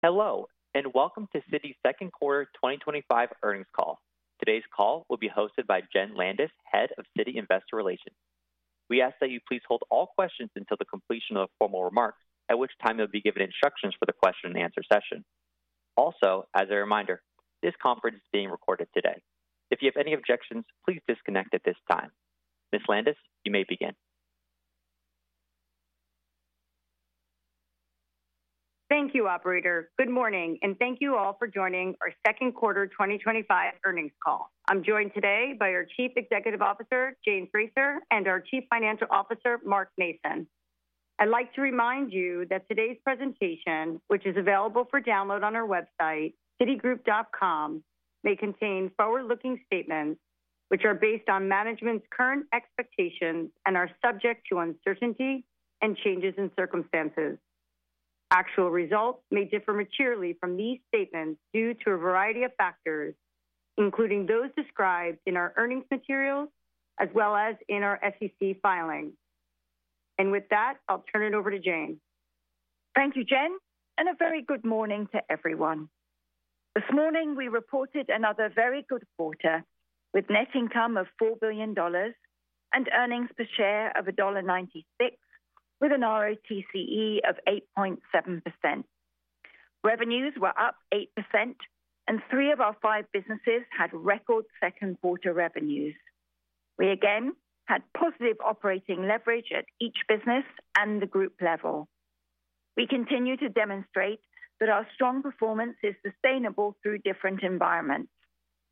Hello, and welcome to Citi Second Quarter 2025 earnings call. Today's call will be hosted by Jenn Landis, Head of Citi Investor Relations. We ask that you please hold all questions until the completion of the formal remarks, at which time you'll be given instructions for the question-and-answer session. Also, as a reminder, this conference is being recorded today. If you have any objections, please disconnect at this time. Ms. Landis, you may begin. Thank you, Operator. Good morning, and thank you all for joining our Second Quarter 2025 earnings call. I'm joined today by our Chief Executive Officer, Jane Fraser, and our Chief Financial Officer, Mark Mason. I'd like to remind you that today's presentation, which is available for download on our website, citigroup.com, may contain forward-looking statements which are based on management's current expectations and are subject to uncertainty and changes in circumstances. Actual results may differ materially from these statements due to a variety of factors, including those described in our earnings materials as well as in our SEC filings. With that, I'll turn it over to Jane. Thank you, Jenn, and a very good morning to everyone. This morning, we reported another very good quarter with net income of $4 billion and earnings per share of $1.96, with an RoTCE of 8.7%. Revenues were up 8%, and three of our five businesses had record second quarter revenues. We again had positive operating leverage at each business and the group level. We continue to demonstrate that our strong performance is sustainable through different environments.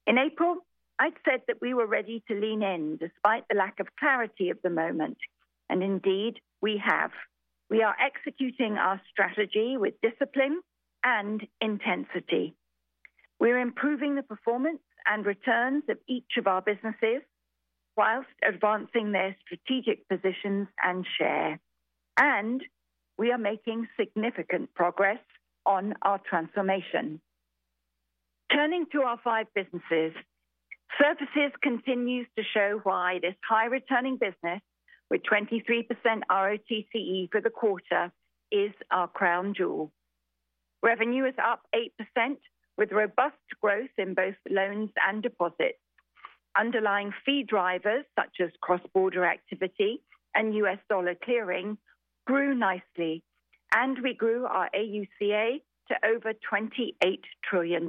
In April, I'd said that we were ready to lean in despite the lack of clarity of the moment, and indeed we have. We are executing our strategy with discipline and intensity. We're improving the performance and returns of each of our businesses whilst advancing their strategic positions and share, and we are making significant progress on our transformation. Turning to our five businesses. Services continues to show why this high-returning business with 23% RoTCE for the quarter is our crown jewel. Revenue is up 8%, with robust growth in both loans and deposits. Underlying fee drivers such as cross-border activity and U.S. dollar clearing grew nicely, and we grew our AUCA to over $28 trillion.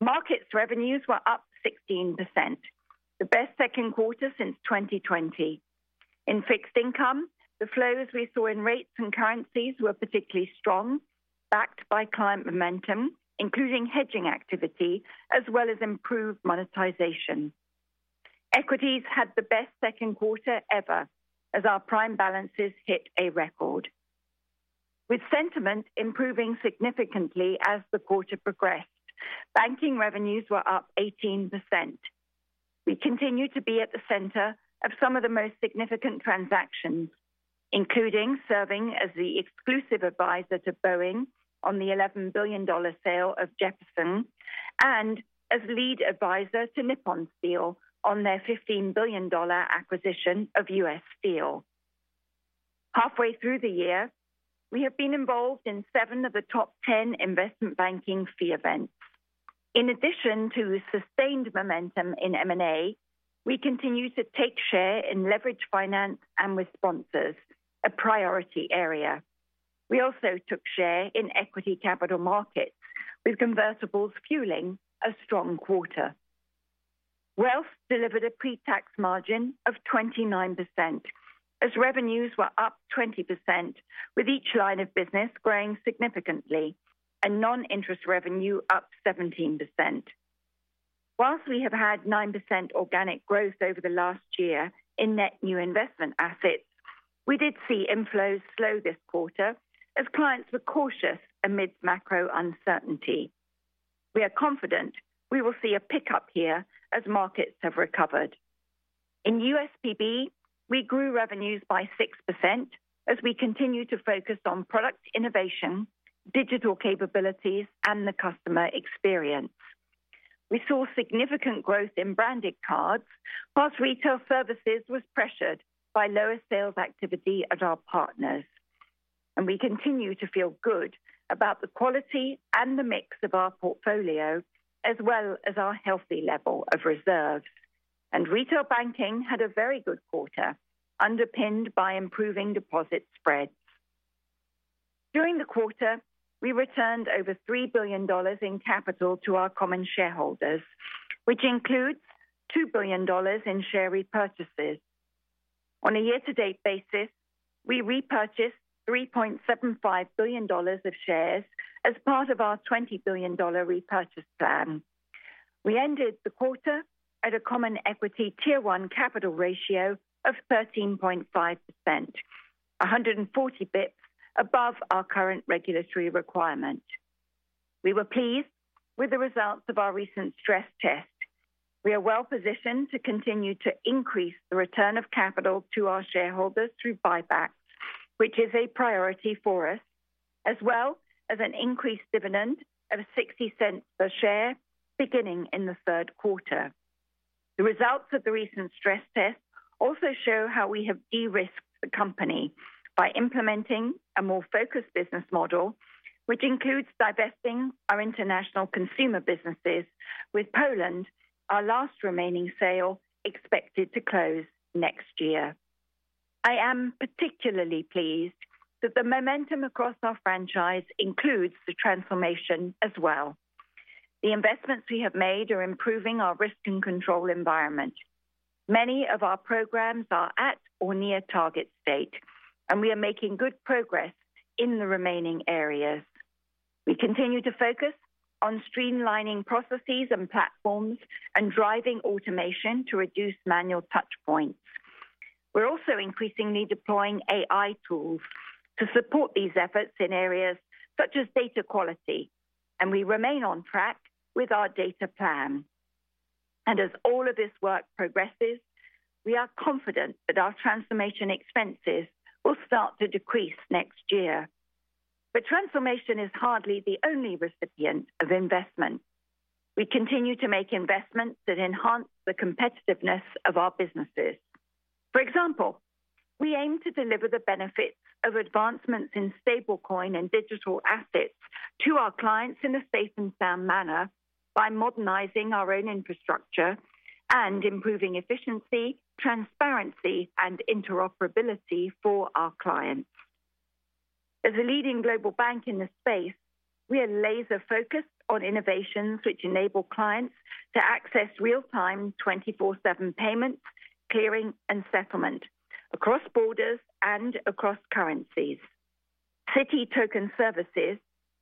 Markets revenues were up 16%, the best second quarter since 2020. In fixed income, the flows we saw in Rates and Currencies were particularly strong, backed by client momentum, including hedging activity, as well as improved monetization. Equities had the best second quarter ever as our Prime Balances hit a record. With sentiment improving significantly as the quarter progressed, banking revenues were up 18%. We continue to be at the center of some of the most significant transactions, including serving as the exclusive advisor to Boeing on the $11 billion sale of Jeppesen and as lead advisor to Nippon Steel on their $15 billion acquisition of U.S. Steel. Halfway through the year, we have been involved in seven of the top 10 investment banking fee events. In addition to sustained momentum in M&A, we continue to take share in leveraged finance and responses, a priority area. We also took share in Equity Capital Markets with convertibles fueling a strong quarter. Wealth delivered a pre-tax margin of 29%. As revenues were up 20%, with each line of business growing significantly and non-interest revenue up 17%. Whilst we have had 9% organic growth over the last year in net new investment assets, we did see inflows slow this quarter as clients were cautious amid macro uncertainty. We are confident we will see a pickup here as markets have recovered. In USPB, we grew revenues by 6% as we continue to focus on product innovation, digital capabilities, and the customer experience. We saw significant growth in branded cards whilst retail services were pressured by lower sales activity at our partners, and we continue to feel good about the quality and the mix of our portfolio as well as our healthy level of reserves. Retail banking had a very good quarter, underpinned by improving deposit spreads. During the quarter, we returned over $3 billion in capital to our common shareholders, which includes $2 billion in share repurchases. On a year-to-date basis, we repurchased $3.75 billion of shares as part of our $20 billion repurchase plan. We ended the quarter at a common equity tier one capital ratio of 13.5%, 140 basis points above our current regulatory requirement. We were pleased with the results of our recent stress test. We are well positioned to continue to increase the return of capital to our shareholders through buybacks, which is a priority for us, as well as an increased dividend of $0.60 per share beginning in the third quarter. The results of the recent stress test also show how we have de-risked the company by implementing a more focused business model, which includes divesting our international consumer businesses with Poland, our last remaining sale expected to close next year. I am particularly pleased that the momentum across our franchise includes the transformation as well. The investments we have made are improving our risk and control environment. Many of our programs are at or near target state, and we are making good progress in the remaining areas. We continue to focus on streamlining processes and platforms and driving automation to reduce manual touchpoints. We are also increasingly deploying AI tools to support these efforts in areas such as data quality, and we remain on track with our data plan. As all of this work progresses, we are confident that our transformation expenses will start to decrease next year. Transformation is hardly the only recipient of investment. We continue to make investments that enhance the competitiveness of our businesses. For example, we aim to deliver the benefits of advancements in stablecoin and digital assets to our clients in a safe and sound manner by modernizing our own infrastructure and improving efficiency, transparency, and interoperability for our clients. As a leading global bank in the space, we are laser-focused on innovations which enable clients to access real-time 24/7 payment, clearing, and settlement across borders and across currencies. Citi Token Services,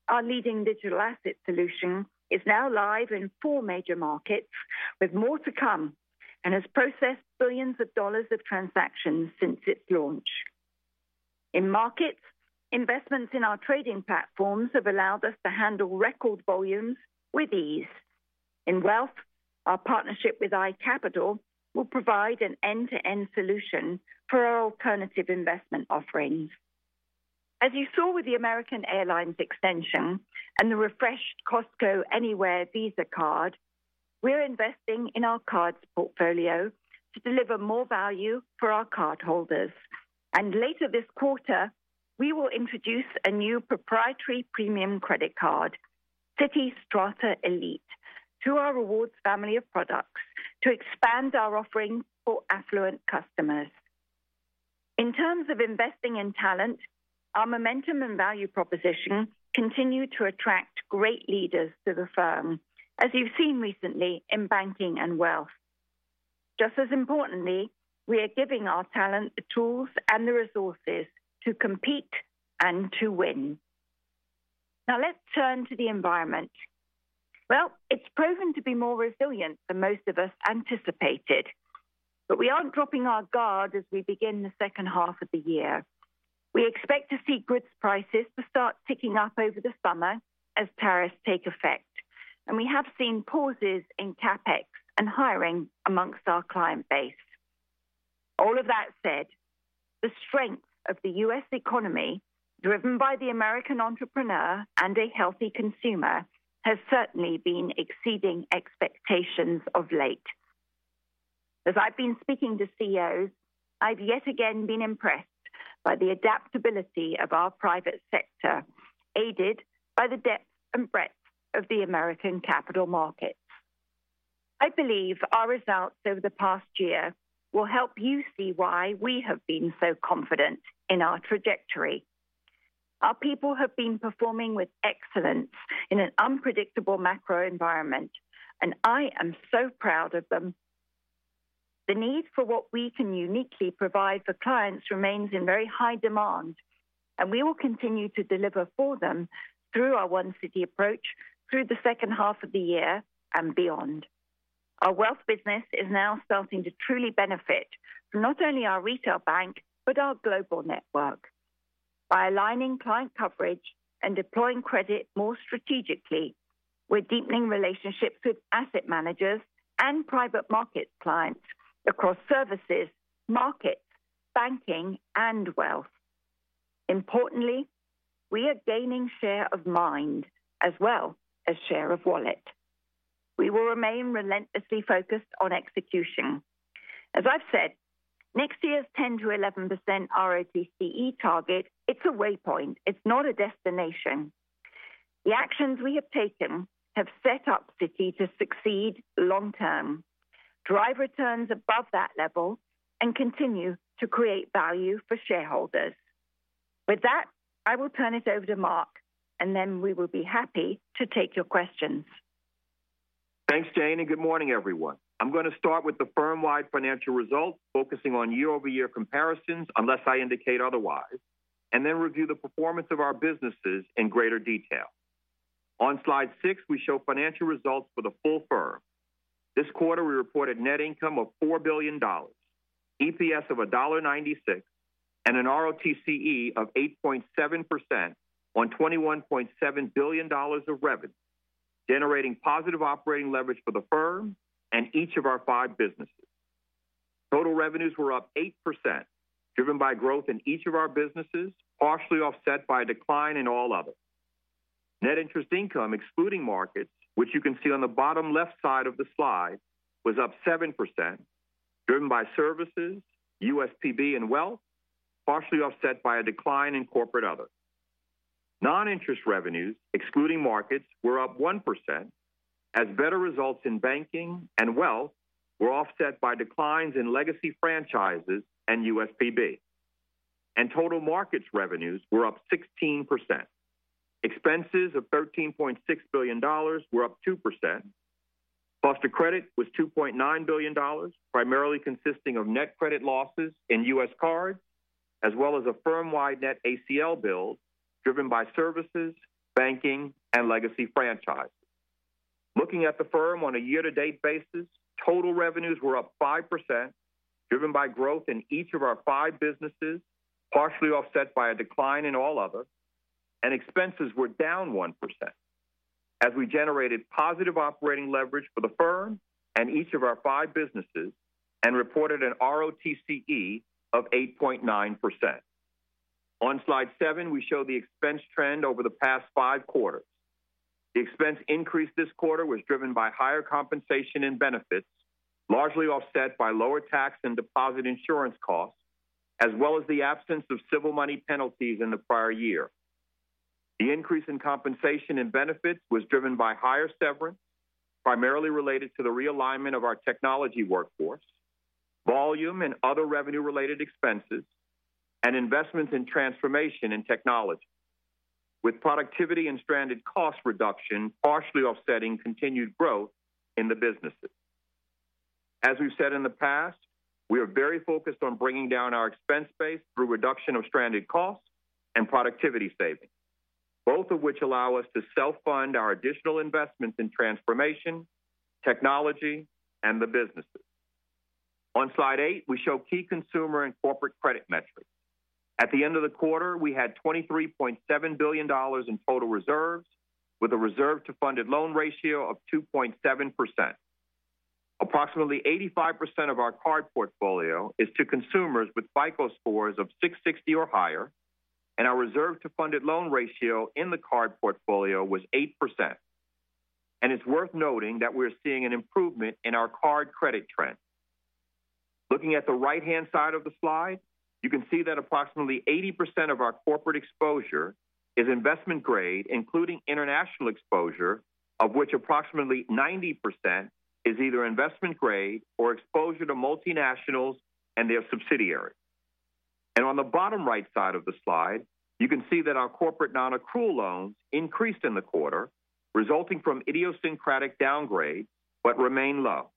our leading digital asset solution, is now live in four major markets, with more to come, and has processed billions of dollars of transactions since its launch. In markets, investments in our trading platforms have allowed us to handle record volumes with ease. In wealth, our partnership with iCapital will provide an end-to-end solution for our alternative investment offerings. As you saw with the American Airlines extension and the refreshed Costco Anywhere Visa card, we're investing in our cards portfolio to deliver more value for our cardholders. Later this quarter, we will introduce a new proprietary premium credit card, Citi Strata Elite, to our rewards family of products to expand our offering for affluent customers. In terms of investing in talent, our momentum and value proposition continue to attract great leaders to the firm, as you've seen recently in banking and wealth. Just as importantly, we are giving our talent the tools and the resources to compete and to win. Now, let's turn to the environment. It has proven to be more resilient than most of us anticipated. We aren't dropping our guard as we begin the second half of the year. We expect to see goods prices start ticking up over the summer as tariffs take effect, and we have seen pauses in CapEx and hiring amongst our client base. All of that said, the strength of the U.S. economy, driven by the American entrepreneur and a healthy consumer, has certainly been exceeding expectations of late. As I've been speaking to CEOs, I've yet again been impressed by the adaptability of our private sector, aided by the depth and breadth of the American capital markets. I believe our results over the past year will help you see why we have been so confident in our trajectory. Our people have been performing with excellence in an unpredictable macro environment, and I am so proud of them. The need for what we can uniquely provide for clients remains in very high demand, and we will continue to deliver for them through our One Citi approach through the second half of the year and beyond. Our wealth business is now starting to truly benefit from not only our retail bank but our global network. By aligning client coverage and deploying credit more strategically, we're deepening relationships with asset managers and private markets clients across services, markets, banking, and wealth. Importantly, we are gaining share of mind as well as share of wallet. We will remain relentlessly focused on execution. As I've said, next year's 10%-11% RoTCE target, it's a waypoint. It's not a destination. The actions we have taken have set up Citi to succeed long term, drive returns above that level, and continue to create value for shareholders. With that, I will turn it over to Mark, and then we will be happy to take your questions. Thanks, Jane, and good morning, everyone. I'm going to start with the firm-wide financial results, focusing on year-over-year comparisons unless I indicate otherwise, and then review the performance of our businesses in greater detail. On slide six, we show financial results for the full firm. This quarter, we reported net income of $4 billion, EPS of $1.96, and an RoTCE of 8.7% on $21.7 billion of revenue, generating positive operating leverage for the firm and each of our five businesses. Total revenues were up 8%, driven by growth in each of our businesses, partially offset by a decline in all others. Net interest income, excluding markets, which you can see on the bottom left side of the slide, was up 7%, driven by services, USPB, and wealth, partially offset by a decline in corporate others. Non-interest revenues, excluding markets, were up 1%, as better results in banking and wealth were offset by declines in legacy franchises and USPB. Total markets revenues were up 16%. Expenses of $13.6 billion were up 2%. Cost of credit was $2.9 billion, primarily consisting of net credit losses in U.S. cards, as well as a firmwide net ACL build, driven by services, banking, and legacy franchises. Looking at the firm on a year-to-date basis, total revenues were up 5%, driven by growth in each of our five businesses, partially offset by a decline in all others, and expenses were down 1%. We generated positive operating leverage for the firm and each of our five businesses and reported an RoTCE of 8.9%. On slide seven, we show the expense trend over the past five quarters. The expense increase this quarter was driven by higher compensation and benefits, largely offset by lower tax and deposit insurance costs, as well as the absence of civil money penalties in the prior year. The increase in compensation and benefits was driven by higher severance, primarily related to the realignment of our technology workforce, volume and other revenue-related expenses, and investments in transformation and technology, with productivity and stranded cost reduction partially offsetting continued growth in the businesses. As we've said in the past, we are very focused on bringing down our expense base through reduction of stranded costs and productivity savings, both of which allow us to self-fund our additional investments in transformation, technology, and the businesses. On slide eight, we show key consumer and corporate credit metrics. At the end of the quarter, we had $23.7 billion in total reserves, with a reserve-to-funded loan ratio of 2.7%. Approximately 85% of our card portfolio is to consumers with FICO scores of 660 or higher, and our reserve-to-funded loan ratio in the card portfolio was 8%. It is worth noting that we are seeing an improvement in our card credit trend. Looking at the right-hand side of the slide, you can see that approximately 80% of our corporate exposure is investment grade, including international exposure, of which approximately 90% is either investment grade or exposure to multinationals and their subsidiaries. On the bottom right side of the slide, you can see that our corporate non-accrual loans increased in the quarter, resulting from idiosyncratic downgrade, but remain low.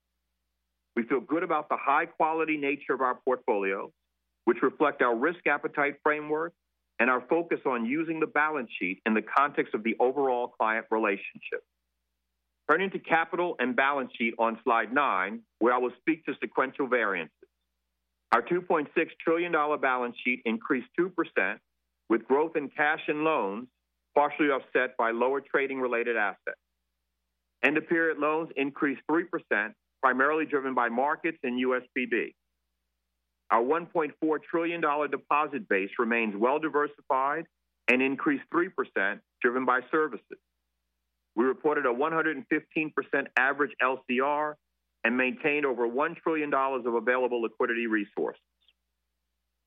We feel good about the high-quality nature of our portfolios, which reflect our risk appetite framework and our focus on using the balance sheet in the context of the overall client relationship. Turning to capital and balance sheet on slide nine, where I will speak to sequential variances. Our $2.6 trillion balance sheet increased 2%, with growth in cash and loans partially offset by lower trading-related assets. End-of-period loans increased 3%, primarily driven by markets and USPB. Our $1.4 trillion deposit base remains well-diversified and increased 3%, driven by services. We reported a 115% average LCR and maintained over $1 trillion of available liquidity resources.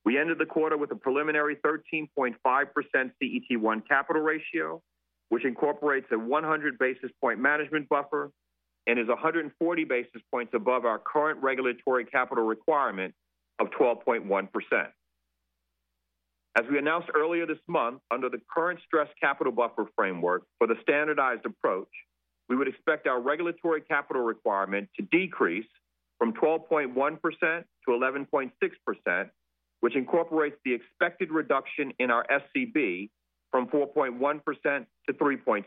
We ended the quarter with a preliminary 13.5% CET1 capital ratio, which incorporates a 100 basis point management buffer and is 140 basis points above our current regulatory capital requirement of 12.1%. As we announced earlier this month, under the current stress capital buffer framework for the standardized approach, we would expect our regulatory capital requirement to decrease from 12.1% to 11.6%, which incorporates the expected reduction in our SCB from 4.1% to 3.6%.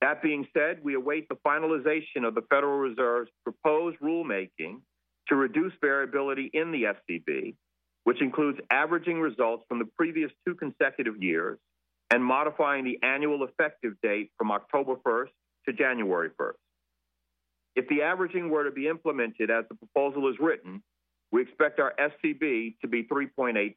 That being said, we await the finalization of the Federal Reserve's proposed rulemaking to reduce variability in the SCB, which includes averaging results from the previous two consecutive years and modifying the annual effective date from October first to January first. If the averaging were to be implemented as the proposal is written, we expect our SCB to be 3.8%.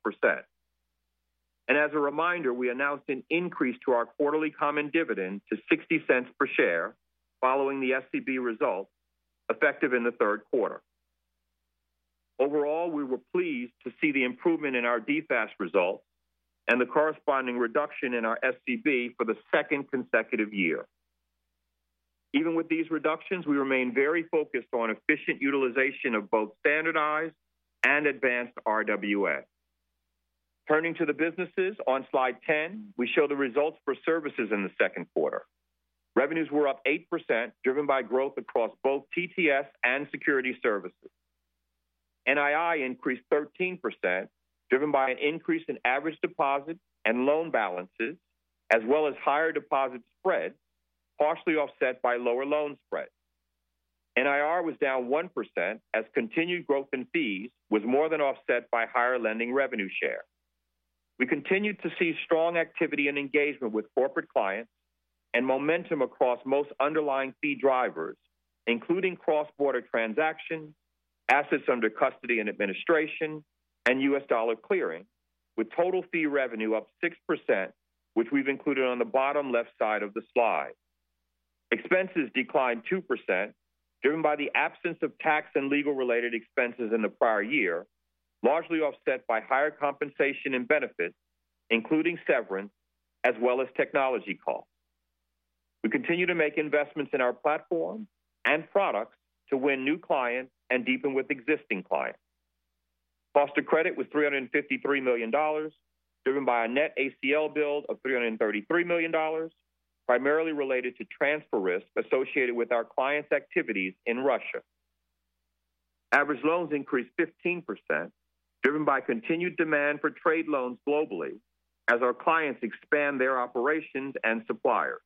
As a reminder, we announced an increase to our quarterly common dividend to $0.60 per share following the SCB results effective in the third quarter. Overall, we were pleased to see the improvement in our DFAST results and the corresponding reduction in our SCB for the second consecutive year. Even with these reductions, we remain very focused on efficient utilization of both standardized and advanced RWA. Turning to the businesses, on slide 10, we show the results for services in the second quarter. Revenues were up 8%, driven by growth across both TTS and security services. NII increased 13%, driven by an increase in average deposit and loan balances, as well as higher deposit spread, partially offset by lower loan spread. NIR was down 1% as continued growth in fees was more than offset by higher lending revenue share. We continued to see strong activity and engagement with corporate clients and momentum across most underlying fee drivers, including cross-border transactions, assets under custody and administration, and U.S. dollar clearing, with total fee revenue up 6%, which we've included on the bottom left side of the slide. Expenses declined 2%, driven by the absence of tax and legal-related expenses in the prior year, largely offset by higher compensation and benefits, including severance, as well as technology costs. We continue to make investments in our platform and products to win new clients and deepen with existing clients. Cost of credit was $353 million, driven by a net ACL build of $333 million, primarily related to transfer risk associated with our clients' activities in Russia. Average loans increased 15%, driven by continued demand for trade loans globally as our clients expand their operations and suppliers.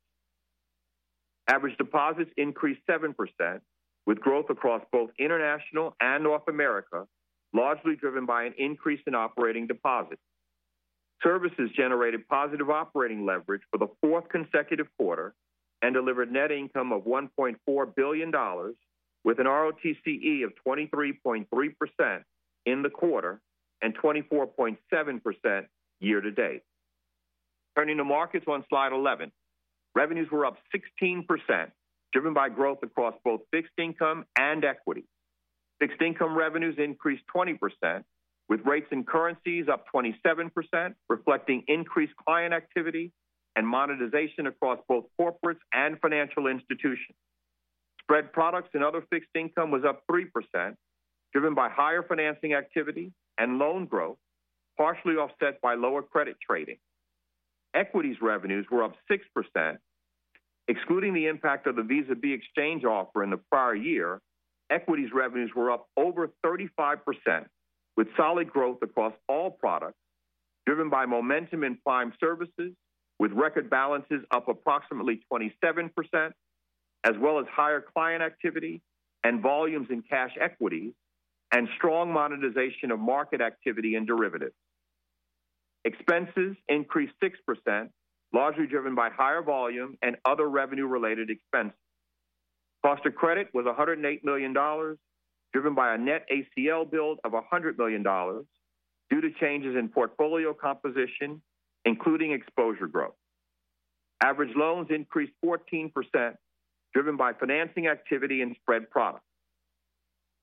Average deposits increased 7%, with growth across both international and North America, largely driven by an increase in operating deposits. Services generated positive operating leverage for the fourth consecutive quarter and delivered net income of $1.4 billion, with an RoTCE of 23.3% in the quarter and 24.7% year-to-date. Turning to markets on slide 11, revenues were up 16%, driven by growth across both fixed income and equity. Fixed income revenues increased 20%, with rates and currencies up 27%, reflecting increased client activity and monetization across both corporates and financial institutions. Spread products and other fixed income was up 3%, driven by higher financing activity and loan growth, partially offset by lower credit trading. Equities revenues were up 6%. Excluding the impact of the Visa B exchange offer in the prior year, equities revenues were up over 35%, with solid growth across all products, driven by momentum in prime services, with record balances up approximately 27%, as well as higher client activity and volumes in cash equities, and strong monetization of market activity and derivatives. Expenses increased 6%, largely driven by higher volume and other revenue-related expenses. Cost of credit was $108 million, driven by a net ACL build of $100 million, due to changes in portfolio composition, including exposure growth. Average loans increased 14%, driven by financing activity and spread products.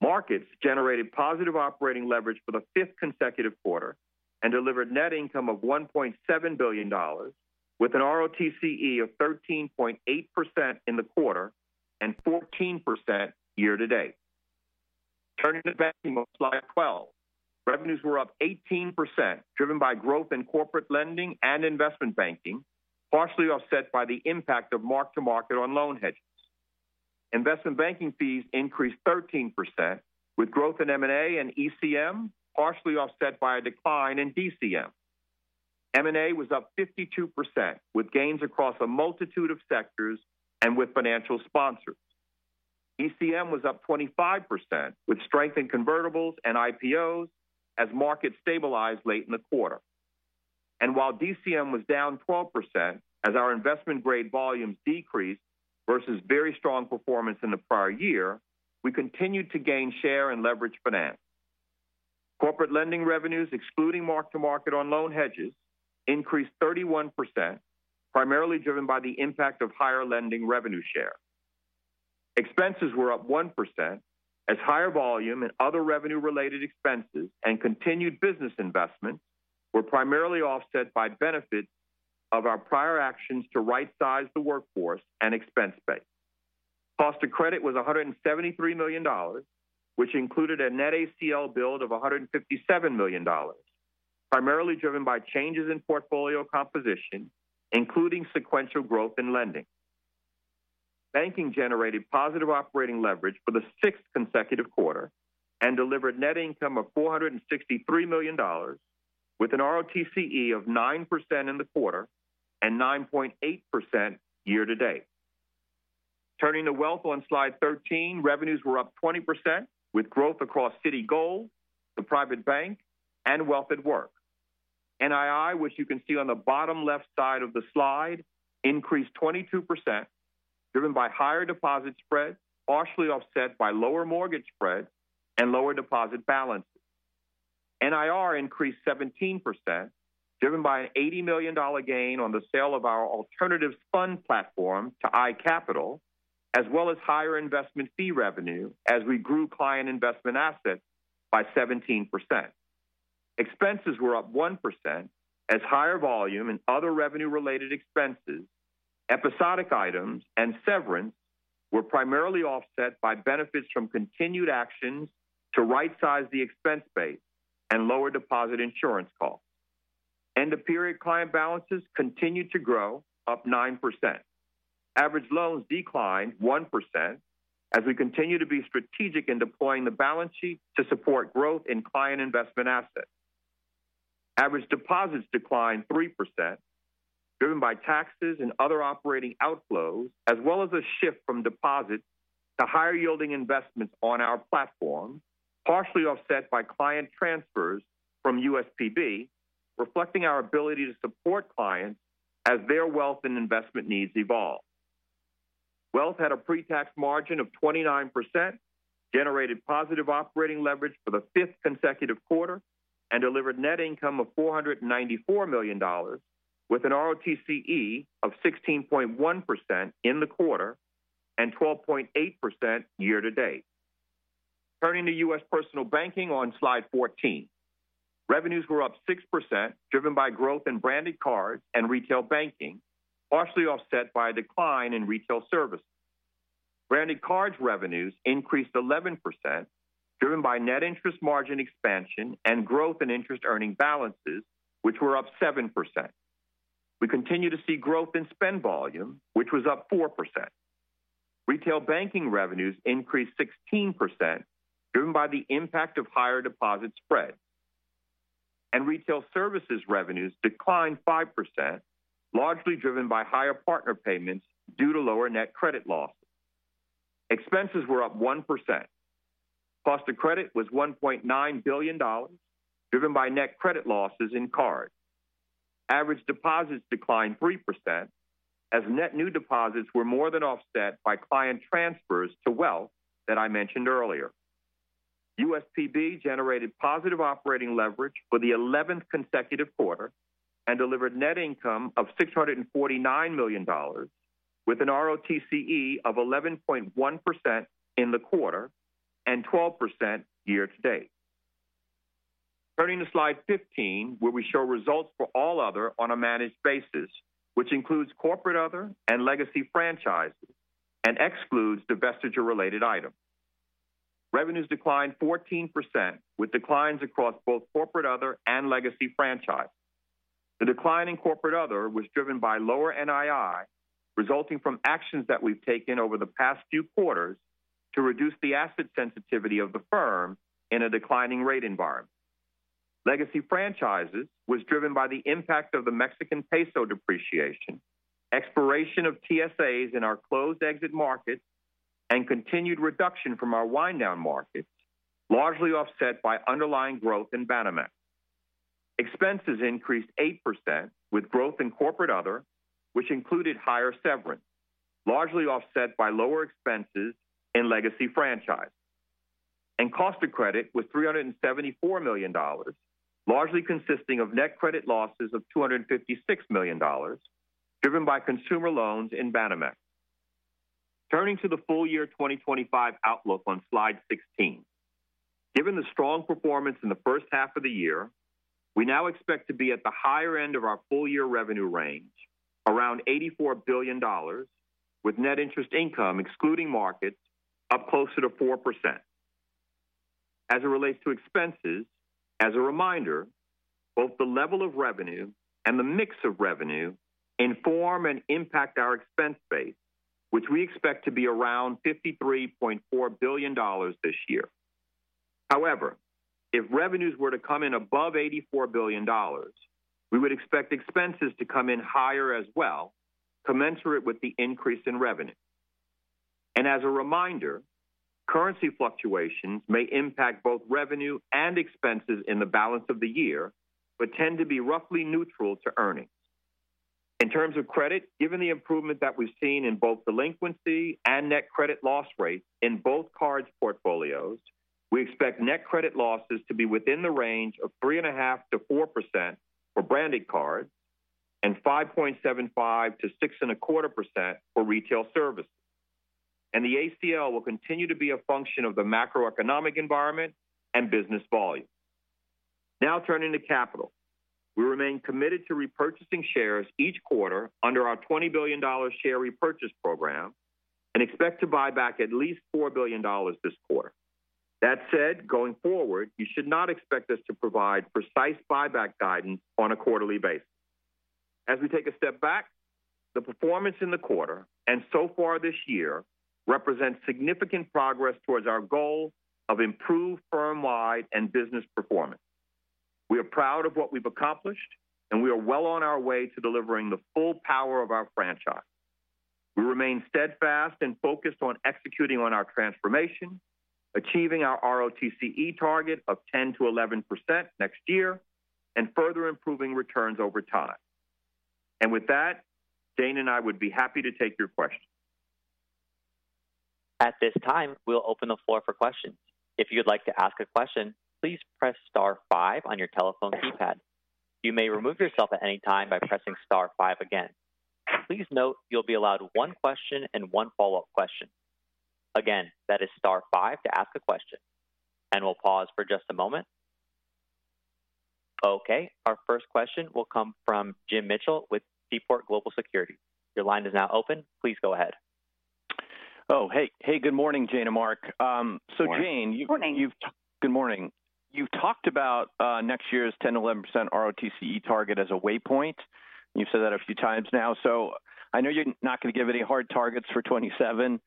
Markets generated positive operating leverage for the fifth consecutive quarter and delivered net income of $1.7 billion, with an RoTCE of 13.8% in the quarter and 14% year-to-date. Turning to banking on slide 12, revenues were up 18%, driven by growth in corporate lending and investment banking, partially offset by the impact of mark-to-market on loan hedges. Investment banking fees increased 13%, with growth in M&A and ECM, partially offset by a decline in DCM. M&A was up 52%, with gains across a multitude of sectors and with financial sponsors. ECM was up 25%, with strength in convertibles and IPOs as markets stabilized late in the quarter. While DCM was down 12% as our investment-grade volumes decreased versus very strong performance in the prior year, we continued to gain share and leverage finance. Corporate lending revenues, excluding mark-to-market on loan hedges, increased 31%, primarily driven by the impact of higher lending revenue share. Expenses were up 1% as higher volume and other revenue-related expenses and continued business investments were primarily offset by benefits of our prior actions to right-size the workforce and expense base. Cost of credit was $173 million, which included a net ACL build of $157 million, primarily driven by changes in portfolio composition, including sequential growth in lending. Banking generated positive operating leverage for the sixth consecutive quarter and delivered net income of $463 million, with an RoTCE of 9% in the quarter and 9.8% year-to-date. Turning to wealth on slide 13, revenues were up 20%, with growth across Citi Gold, the private bank, and Wealth at Work. NII, which you can see on the bottom left side of the slide, increased 22%, driven by higher deposit spread, partially offset by lower mortgage spread and lower deposit balances. NIR increased 17%, driven by an $80 million gain on the sale of our alternative fund platform to iCapital, as well as higher investment fee revenue as we grew client investment assets by 17%. Expenses were up 1% as higher volume and other revenue-related expenses, episodic items, and severance were primarily offset by benefits from continued actions to right-size the expense base and lower deposit insurance costs. End-of-period client balances continued to grow, up 9%. Average loans declined 1% as we continue to be strategic in deploying the balance sheet to support growth in client investment assets. Average deposits declined 3%. Driven by taxes and other operating outflows, as well as a shift from deposits to higher-yielding investments on our platform, partially offset by client transfers from USPB, reflecting our ability to support clients as their wealth and investment needs evolve. Wealth had a pre-tax margin of 29%, generated positive operating leverage for the fifth consecutive quarter, and delivered net income of $494 million, with an RoTCE of 16.1% in the quarter and 12.8% year-to-date. Turning to U.S. personal banking on slide 14. Revenues were up 6%, driven by growth in branded cards and retail banking, partially offset by a decline in retail services. Branded cards revenues increased 11%, driven by net interest margin expansion and growth in interest-earning balances, which were up 7%. We continue to see growth in spend volume, which was up 4%. Retail banking revenues increased 16%, driven by the impact of higher deposit spread. Retail services revenues declined 5%, largely driven by higher partner payments due to lower net credit losses. Expenses were up 1%. Cost of credit was $1.9 billion, driven by net credit losses in cards. Average deposits declined 3% as net new deposits were more than offset by client transfers to wealth that I mentioned earlier. USPB generated positive operating leverage for the 11th consecutive quarter and delivered net income of $649 million, with an RoTCE of 11.1% in the quarter and 12% year-to-date. Turning to slide 15, where we show results for all other on a managed basis, which includes corporate other and legacy franchises and excludes divestiture-related items. Revenues declined 14%, with declines across both corporate other and legacy franchises. The decline in corporate other was driven by lower NII, resulting from actions that we've taken over the past few quarters to reduce the asset sensitivity of the firm in a declining rate environment. Legacy franchises were driven by the impact of the Mexican peso depreciation, expiration of TSAs in our closed-exit markets, and continued reduction from our wind-down markets, largely offset by underlying growth in Banamex. Expenses increased 8%, with growth in corporate other, which included higher severance, largely offset by lower expenses in legacy franchises. Cost of credit was $374 million, largely consisting of net credit losses of $256 million, driven by consumer loans in Banamex. Turning to the full year 2025 outlook on slide 16. Given the strong performance in the first half of the year, we now expect to be at the higher end of our full year revenue range, around $84 billion, with net interest income, excluding markets, up closer to 4%. As it relates to expenses, as a reminder, both the level of revenue and the mix of revenue inform and impact our expense base, which we expect to be around $53.4 billion this year. However, if revenues were to come in above $84 billion, we would expect expenses to come in higher as well, commensurate with the increase in revenue. As a reminder, currency fluctuations may impact both revenue and expenses in the balance of the year, but tend to be roughly neutral to earnings. In terms of credit, given the improvement that we've seen in both delinquency and net credit loss rates in both cards portfolios, we expect net credit losses to be within the range of 3.5%-4% for branded cards and 5.75%-6.25% for retail services. The ACL will continue to be a function of the macroeconomic environment and business volume. Now turning to capital, we remain committed to repurchasing shares each quarter under our $20 billion share repurchase program and expect to buy back at least $4 billion this quarter. That said, going forward, you should not expect us to provide precise buyback guidance on a quarterly basis. As we take a step back, the performance in the quarter and so far this year represents significant progress towards our goal of improved firm-wide and business performance. We are proud of what we've accomplished, and we are well on our way to delivering the full power of our franchise. We remain steadfast and focused on executing on our transformation, achieving our RoTCE target of 10%-11% next year, and further improving returns over time. With that, Jane and I would be happy to take your questions. At this time, we'll open the floor for questions. If you'd like to ask a question, please press star five on your telephone keypad. You may remove yourself at any time by pressing star five again. Please note you'll be allowed one question and one follow-up question. Again, that is star five to ask a question. We'll pause for just a moment. Okay. Our first question will come from Jim Mitchell with Seaport Global Securities. Your line is now open. Please go ahead. Oh, hey. Hey, good morning, Jane and Mark. Jane, you've talked about next year's 10%-11% RoTCE target as a waypoint. You've said that a few times now. I know you're not going to give any hard targets for 2027,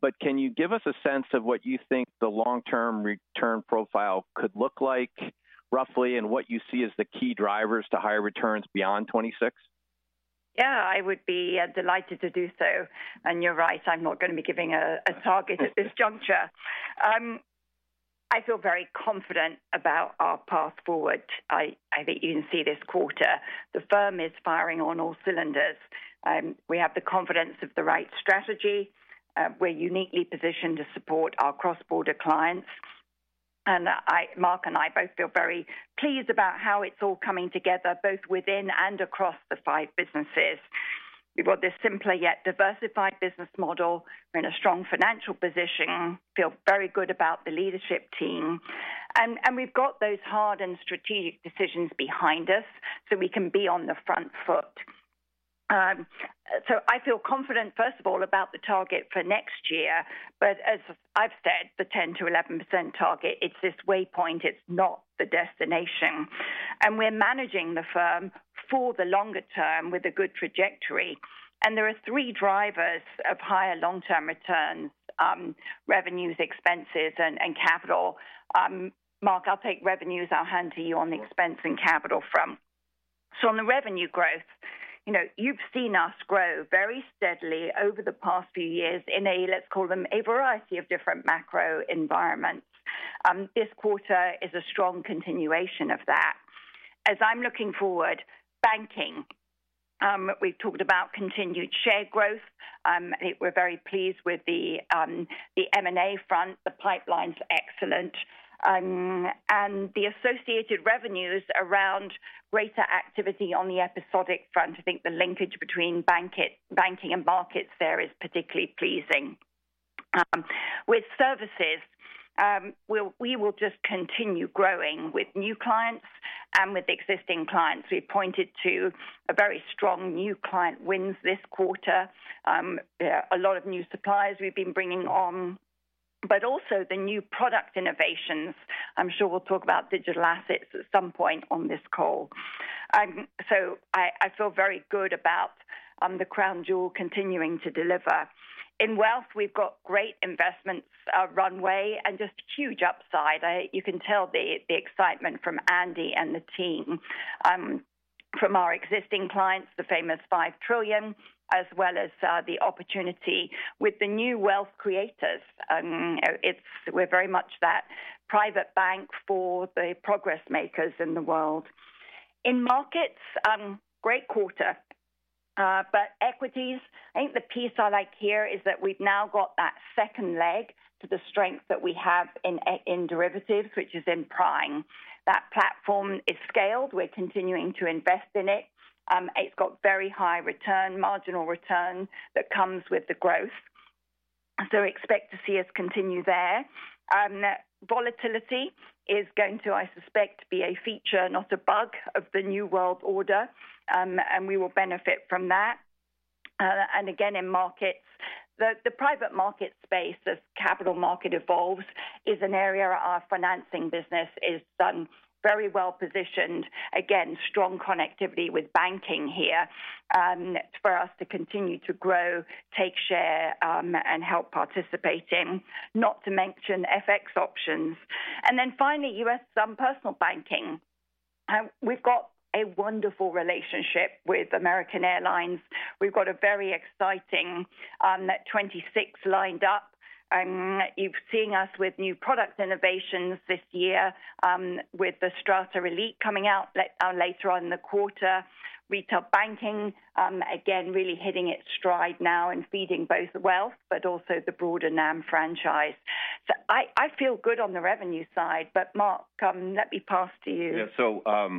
but can you give us a sense of what you think the long-term return profile could look like, roughly, and what you see as the key drivers to higher returns beyond 2026? Yeah, I would be delighted to do so. You're right, I'm not going to be giving a target at this juncture. I feel very confident about our path forward. I think you can see this quarter. The firm is firing on all cylinders. We have the confidence of the right strategy. We're uniquely positioned to support our cross-border clients. Mark and I both feel very pleased about how it's all coming together, both within and across the five businesses. We've got this simple yet diversified business model. We're in a strong financial position. Feel very good about the leadership team. We've got those hard and strategic decisions behind us, so we can be on the front foot. I feel confident, first of all, about the target for next year. As I've said, the 10%-11% target, it's this waypoint. It's not the destination. We're managing the firm for the longer term with a good trajectory. There are three drivers of higher long-term returns: revenues, expenses, and capital. Mark, I'll take revenues. I'll hand to you on the expense and capital front. On the revenue growth, you've seen us grow very steadily over the past few years in a, let's call them, a variety of different macro environments. This quarter is a strong continuation of that. As I'm looking forward, banking. We've talked about continued share growth. We're very pleased with the M&A front. The pipeline's excellent. And the associated revenues around greater activity on the episodic front. I think the linkage between banking and markets there is particularly pleasing. With services, we will just continue growing with new clients and with existing clients. We've pointed to a very strong new client wins this quarter. A lot of new suppliers we've been bringing on. Also the new product innovations. I'm sure we'll talk about digital assets at some point on this call. I feel very good about the crown jewel continuing to deliver. In wealth, we've got great investments, a runway, and just huge upside. You can tell the excitement from Andy and the team, from our existing clients, the famous $5 trillion, as well as the opportunity with the new wealth creators. We're very much that private bank for the progress makers in the world. In markets, great quarter. Equities, I think the piece I like here is that we've now got that second leg to the strength that we have in derivatives, which is in prime. That platform is scaled. We're continuing to invest in it. It's got very high return, marginal return that comes with the growth. Expect to see us continue there. Volatility is going to, I suspect, be a feature, not a bug, of the new world order, and we will benefit from that. Again, in markets, the private market space as capital market evolves is an area where our financing business is very well positioned. Again, strong connectivity with banking here. For us to continue to grow, take share, and help participating, not to mention FX options. Finally, U.S. personal banking. We've got a wonderful relationship with American Airlines. We've got a very exciting 2026 lined up. You've seen us with new product innovations this year, with the Strata Elite coming out later on in the quarter, retail banking, again, really hitting its stride now and feeding both wealth, but also the broader NAM franchise. I feel good on the revenue side. Mark, let me pass to you. Yeah.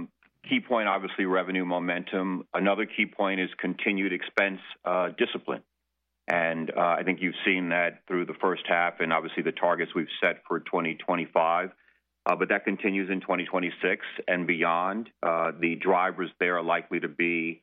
Key point, obviously, revenue momentum. Another key point is continued expense discipline. I think you've seen that through the first half and obviously the targets we've set for 2025. That continues in 2026 and beyond. The drivers there are likely to be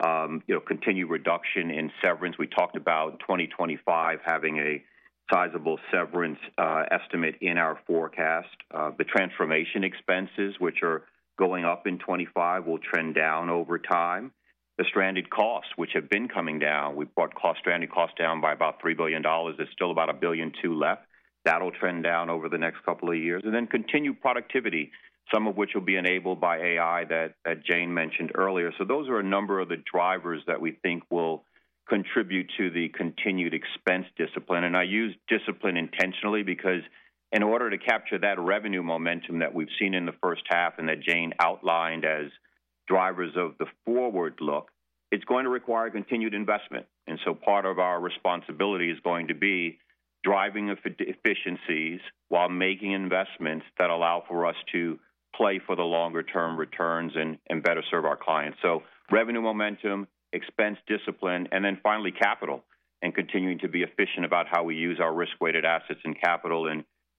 continued reduction in severance. We talked about 2025 having a sizable severance estimate in our forecast. The transformation expenses, which are going up in 2025, will trend down over time. The stranded costs, which have been coming down, we've brought stranded costs down by about $3 billion. There's still about $1 billion left. That'll trend down over the next couple of years. Then continued productivity, some of which will be enabled by AI that Jane mentioned earlier. Those are a number of the drivers that we think will contribute to the continued expense discipline. I use discipline intentionally because in order to capture that revenue momentum that we've seen in the first half and that Jane outlined as drivers of the forward look, it's going to require continued investment. Part of our responsibility is going to be driving efficiencies while making investments that allow for us to play for the longer-term returns and better serve our clients. Revenue momentum, expense discipline, and then finally capital, and continuing to be efficient about how we use our risk-weighted assets and capital.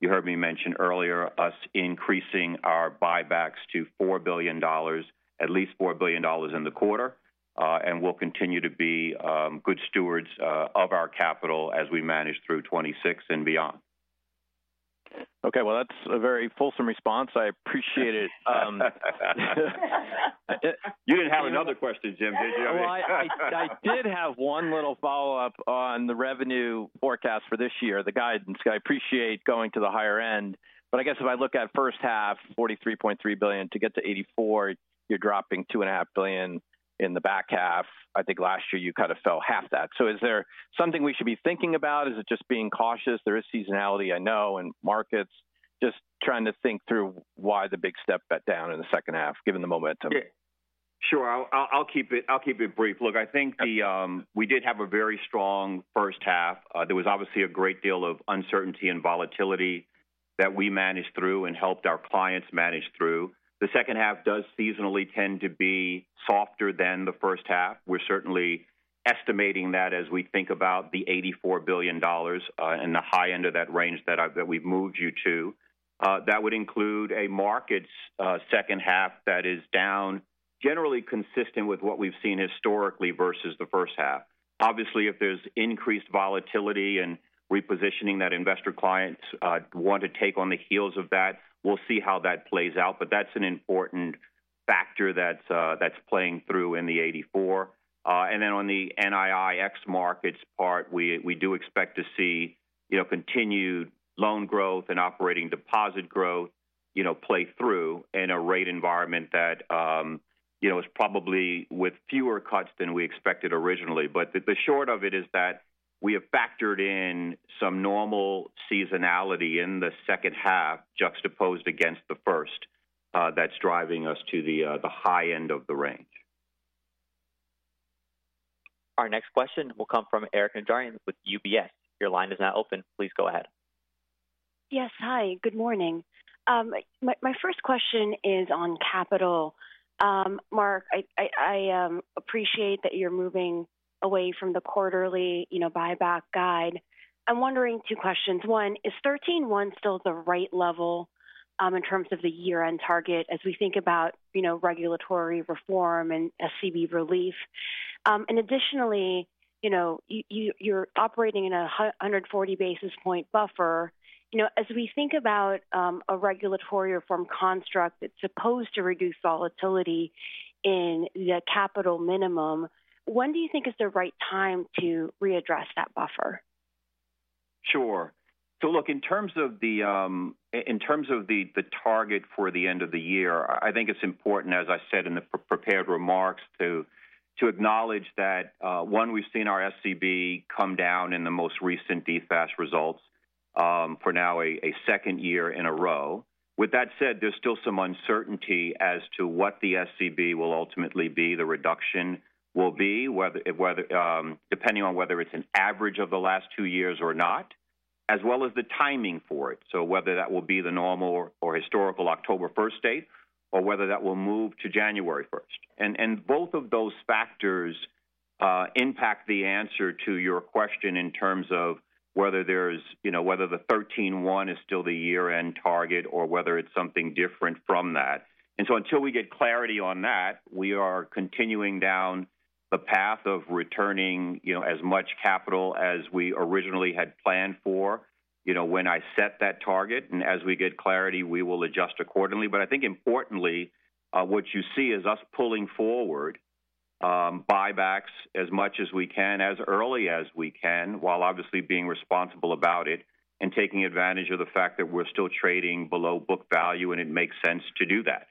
You heard me mention earlier us increasing our buybacks to $4 billion, at least $4 billion in the quarter. We'll continue to be good stewards of our capital as we manage through 2026 and beyond. That is a very fulsome response. I appreciate it. You didn't have another question, Jim. Did you? I did have one little follow-up on the revenue forecast for this year, the guidance. I appreciate going to the higher end. I guess if I look at first half, $43.3 billion to get to $84 billion, you're dropping $2.5 billion in the back half. I think last year you kind of fell half that. Is there something we should be thinking about? Is it just being cautious? There is seasonality, I know, and markets. Just trying to think through why the big step back down in the second half, given the momentum. Sure. I'll keep it brief. Look, I think we did have a very strong first half. There was obviously a great deal of uncertainty and volatility that we managed through and helped our clients manage through. The second half does seasonally tend to be softer than the first half. We're certainly estimating that as we think about the $84 billion and the high end of that range that we've moved you to. That would include a markets second half that is down, generally consistent with what we've seen historically versus the first half. Obviously, if there's increased volatility and repositioning that investor clients want to take on the heels of that, we'll see how that plays out. That is an important factor that's playing through in the $84 billion. And then on the NIIX markets part, we do expect to see. Continued loan growth and operating deposit growth play through in a rate environment that is probably with fewer cuts than we expected originally. The short of it is that we have factored in some normal seasonality in the second half juxtaposed against the first that's driving us to the high end of the range. Our next question will come from Erika Najarian with UBS. Your line is now open. Please go ahead. Yes. Hi. Good morning. My first question is on capital. Mark, I appreciate that you're moving away from the quarterly buyback guide. I'm wondering two questions. One, is 13.1 still the right level in terms of the year-end target as we think about regulatory reform and SCB relief? Additionally, you're operating in a 140 basis point buffer. As we think about a regulatory reform construct that's supposed to reduce volatility in the capital minimum, when do you think is the right time to readdress that buffer? Sure. Look, in terms of the target for the end of the year, I think it's important, as I said in the prepared remarks, to acknowledge that, one, we've seen our SCB come down in the most recent DFAST results for now a second year in a row. With that said, there's still some uncertainty as to what the SCB will ultimately be, the reduction will be, depending on whether it's an average of the last two years or not, as well as the timing for it. Whether that will be the normal or historical October 1 date or whether that will move to January 1. Both of those factors impact the answer to your question in terms of whether the 13.1 is still the year-end target or whether it's something different from that. Until we get clarity on that, we are continuing down the path of returning as much capital as we originally had planned for when I set that target. As we get clarity, we will adjust accordingly. Importantly, what you see is us pulling forward buybacks as much as we can, as early as we can, while obviously being responsible about it and taking advantage of the fact that we're still trading below book value, and it makes sense to do that.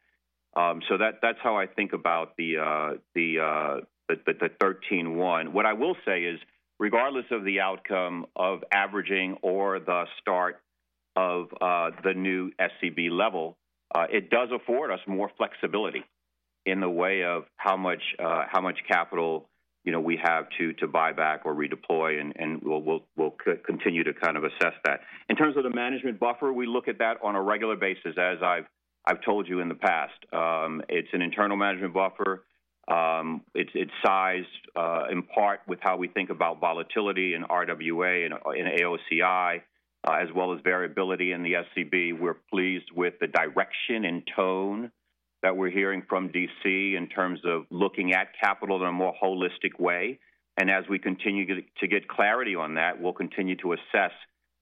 That is how I think about the 13.1. What I will say is, regardless of the outcome of averaging or the start of the new SCB level, it does afford us more flexibility in the way of how much capital we have to buy back or redeploy, and we'll continue to kind of assess that. In terms of the management buffer, we look at that on a regular basis, as I've told you in the past. It's an internal management buffer. It's sized in part with how we think about volatility in RWA and AOCI, as well as variability in the SEB. We're pleased with the direction and tone that we're hearing from D.C. in terms of looking at capital in a more holistic way. As we continue to get clarity on that, we'll continue to assess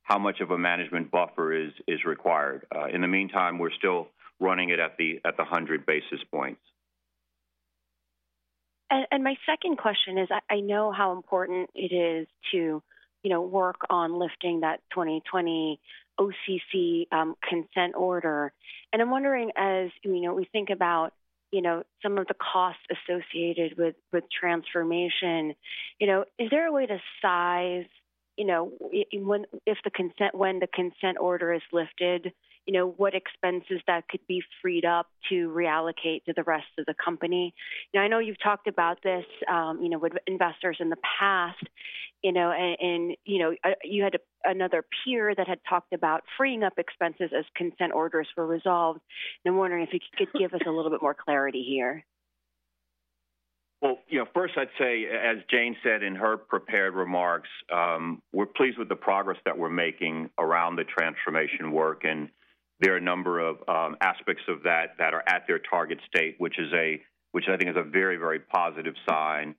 how much of a management buffer is required. In the meantime, we're still running it at the 100 basis points. My second question is, I know how important it is to work on lifting that 2020 OCC consent order. I'm wondering, as we think about some of the costs associated with transformation, is there a way to size, if the consent, when the consent order is lifted, what expenses that could be freed up to reallocate to the rest of the company? I know you've talked about this with investors in the past, and you had another peer that had talked about freeing up expenses as consent orders were resolved. I'm wondering if you could give us a little bit more clarity here. First, I'd say, as Jane said in her prepared remarks, we're pleased with the progress that we're making around the transformation work. There are a number of aspects of that that are at their target state, which I think is a very, very positive sign.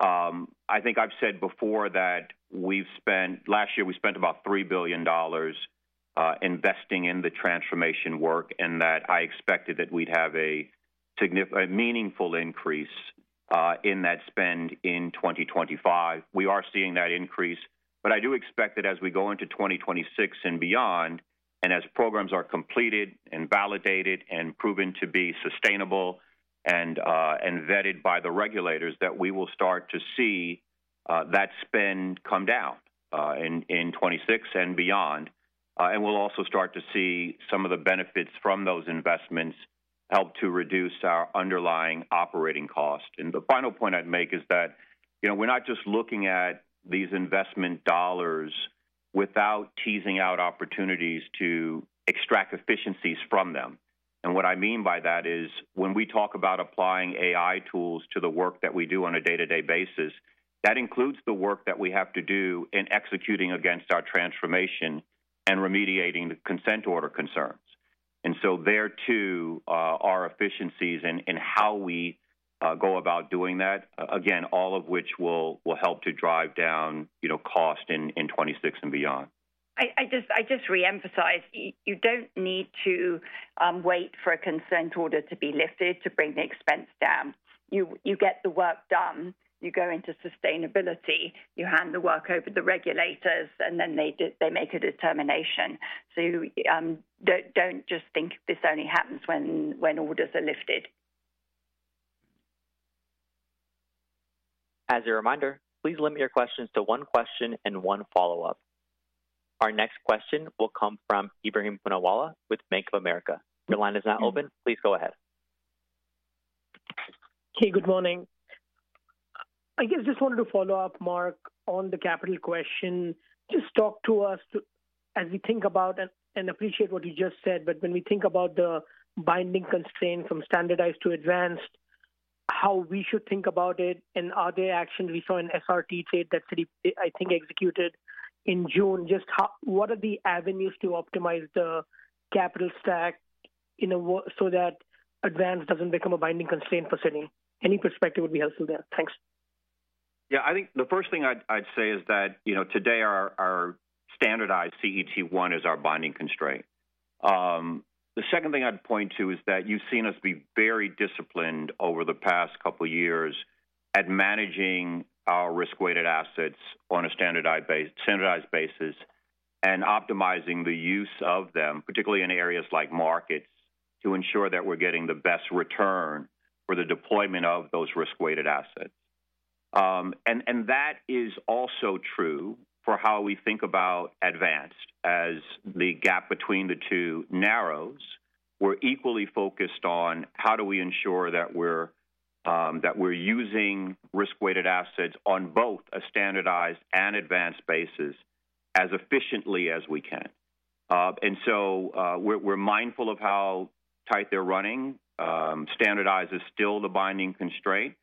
I think I've said before that last year we spent about $3 billion investing in the transformation work, and that I expected that we'd have a significant, meaningful increase in that spend in 2025. We are seeing that increase. I do expect that as we go into 2026 and beyond, and as programs are completed and validated and proven to be sustainable and vetted by the regulators, we will start to see that spend come down in 2026 and beyond. We'll also start to see some of the benefits from those investments help to reduce our underlying operating cost. The final point I'd make is that we're not just looking at these investment dollars without teasing out opportunities to extract efficiencies from them. What I mean by that is when we talk about applying AI tools to the work that we do on a day-to-day basis, that includes the work that we have to do in executing against our transformation and remediating the consent order concerns. There too are efficiencies in how we go about doing that, again, all of which will help to drive down cost in 2026 and beyond. I just reemphasize, you don't need to wait for a consent order to be lifted to bring the expense down. You get the work done. You go into sustainability. You hand the work over to the regulators, and then they make a determination. Don't just think this only happens when orders are lifted. As a reminder, please limit your questions to one question and one follow-up. Our next question will come from Ebrahim Poonawala with Bank of America. Your line is now open. Please go ahead. Hey, good morning. I guess I just wanted to follow up, Mark, on the capital question. Just talk to us as we think about and appreciate what you just said. When we think about the binding constraints from standardized to advanced, how we should think about it, and are there actions we saw in SRT trade that Citi, I think, executed in June? What are the avenues to optimize the capital stack so that advanced doesn't become a binding constraint for Citi? Any perspective would be helpful there. Thanks. Yeah. I think the first thing I'd say is that today our standardized CET1 is our binding constraint. The second thing I'd point to is that you've seen us be very disciplined over the past couple of years at managing our risk-weighted assets on a standardized basis and optimizing the use of them, particularly in areas like markets, to ensure that we're getting the best return for the deployment of those risk-weighted assets. That is also true for how we think about advanced. As the gap between the two narrows, we're equally focused on how do we ensure that we're using risk-weighted assets on both a standardized and advanced basis as efficiently as we can. We're mindful of how tight they're running. Standardized is still the binding constraint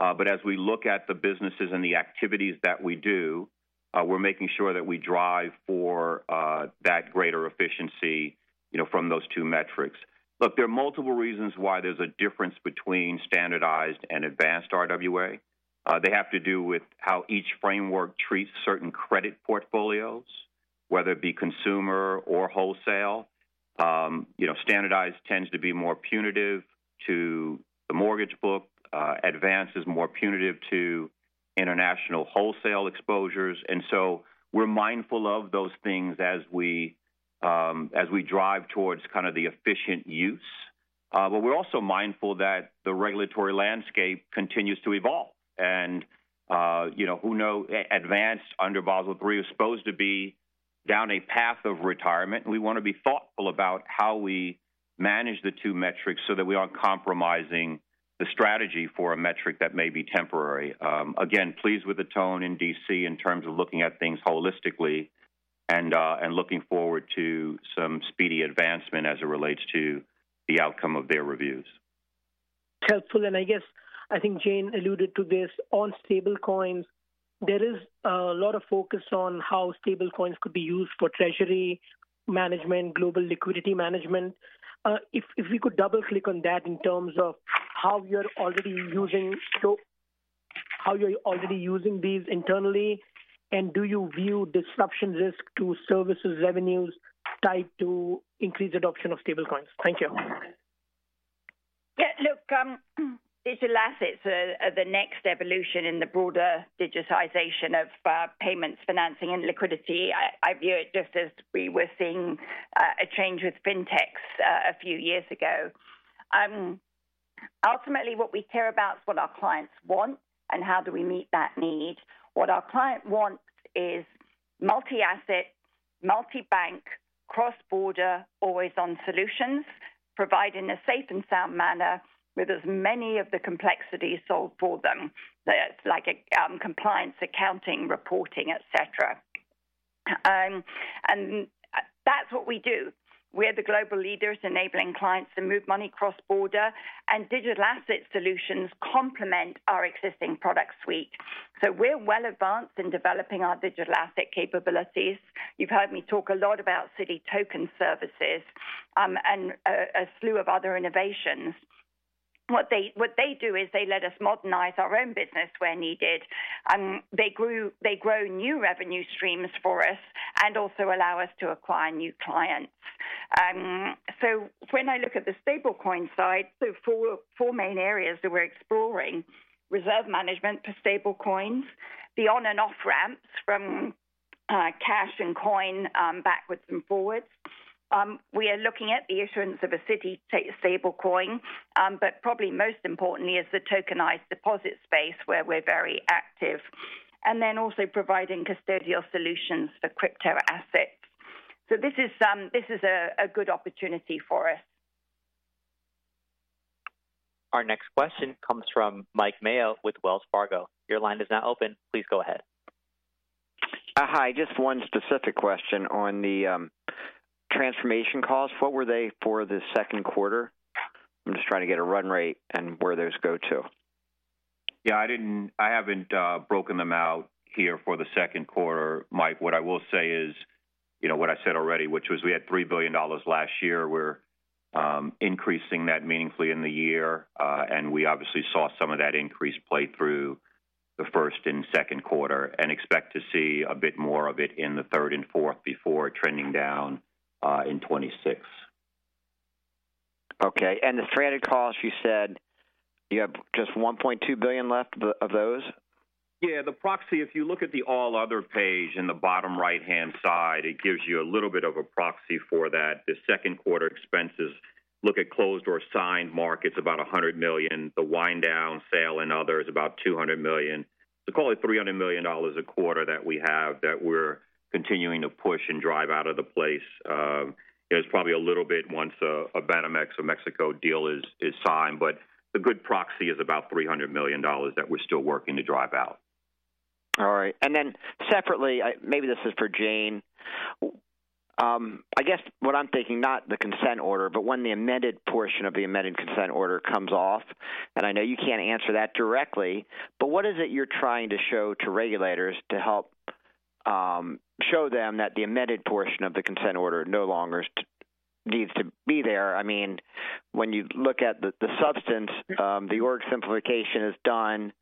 as we look at the businesses and the activities that we do. We're making sure that we drive for that greater efficiency from those two metrics. Look, there are multiple reasons why there's a difference between standardized and advanced RWA. They have to do with how each framework treats certain credit portfolios, whether it be consumer or wholesale. Standardized tends to be more punitive to the mortgage book. Advanced is more punitive to international wholesale exposures. We're mindful of those things as we drive towards kind of the efficient use. We're also mindful that the regulatory landscape continues to evolve. Who knows, advanced under Basel III is supposed to be down a path of retirement. We want to be thoughtful about how we manage the two metrics so that we aren't compromising the strategy for a metric that may be temporary. Again, pleased with the tone in D.C. in terms of looking at things holistically and looking forward to some speedy advancement as it relates to the outcome of their reviews. Helpful. I guess I think Jane alluded to this. On stablecoins, there is a lot of focus on how stablecoins could be used for treasury management, global liquidity management. If we could double-click on that in terms of how you're already using these internally, and do you view disruption risk to services revenues tied to increased adoption of stablecoins? Thank you. Yeah. Look. Digital assets are the next evolution in the broader digitization of payments, financing, and liquidity. I view it just as we were seeing a change with fintechs a few years ago. Ultimately, what we care about is what our clients want and how do we meet that need. What our client wants is multi-asset, multi-bank, cross-border, always-on solutions provided in a safe and sound manner with as many of the complexities solved for them, like compliance, accounting, reporting, etc. That is what we do. We are the global leaders enabling clients to move money cross-border, and digital asset solutions complement our existing product suite. We are well advanced in developing our digital asset capabilities. You have heard me talk a lot about Citi Token Services and a slew of other innovations. What they do is they let us modernize our own business where needed. They grow new revenue streams for us and also allow us to acquire new clients. When I look at the stablecoin side, there are four main areas that we're exploring: reserve management for stablecoins, the on-and-off ramps from cash and coin backwards and forwards. We are looking at the issuance of a Citi stablecoin, but probably most importantly is the tokenized deposit space where we're very active, and then also providing custodial solutions for crypto assets. This is a good opportunity for us. Our next question comes from Mike Mayo with Wells Fargo. Your line is now open. Please go ahead. Hi. Just one specific question on the transformation costs. What were they for the second quarter? I'm just trying to get a run rate and where those go to. Yeah. I haven't broken them out here for the second quarter. Mike, what I will say is what I said already, which was we had $3 billion last year. We're increasing that meaningfully in the year. We obviously saw some of that increase play through the first and second quarter and expect to see a bit more of it in the third and fourth before trending down in 2026. Okay. The threaded cost, you said you have just $1.2 billion left of those? Yeah. The proxy, if you look at the all-other page in the bottom right-hand side, it gives you a little bit of a proxy for that. The second quarter expenses, look at closed or signed markets, about $100 million. The wind-down, sale, and others, about $200 million. Call it $300 million a quarter that we have that we're continuing to push and drive out of the place. There's probably a little bit once a Banamex or Mexico deal is signed, but the good proxy is about $300 million that we're still working to drive out. All right. Separately, maybe this is for Jane. I guess what I'm thinking, not the consent order, but when the amended portion of the amended consent order comes off, and I know you can't answer that directly, but what is it you're trying to show to regulators to help show them that the amended portion of the consent order no longer needs to be there? I mean, when you look at the substance, the org simplification is done.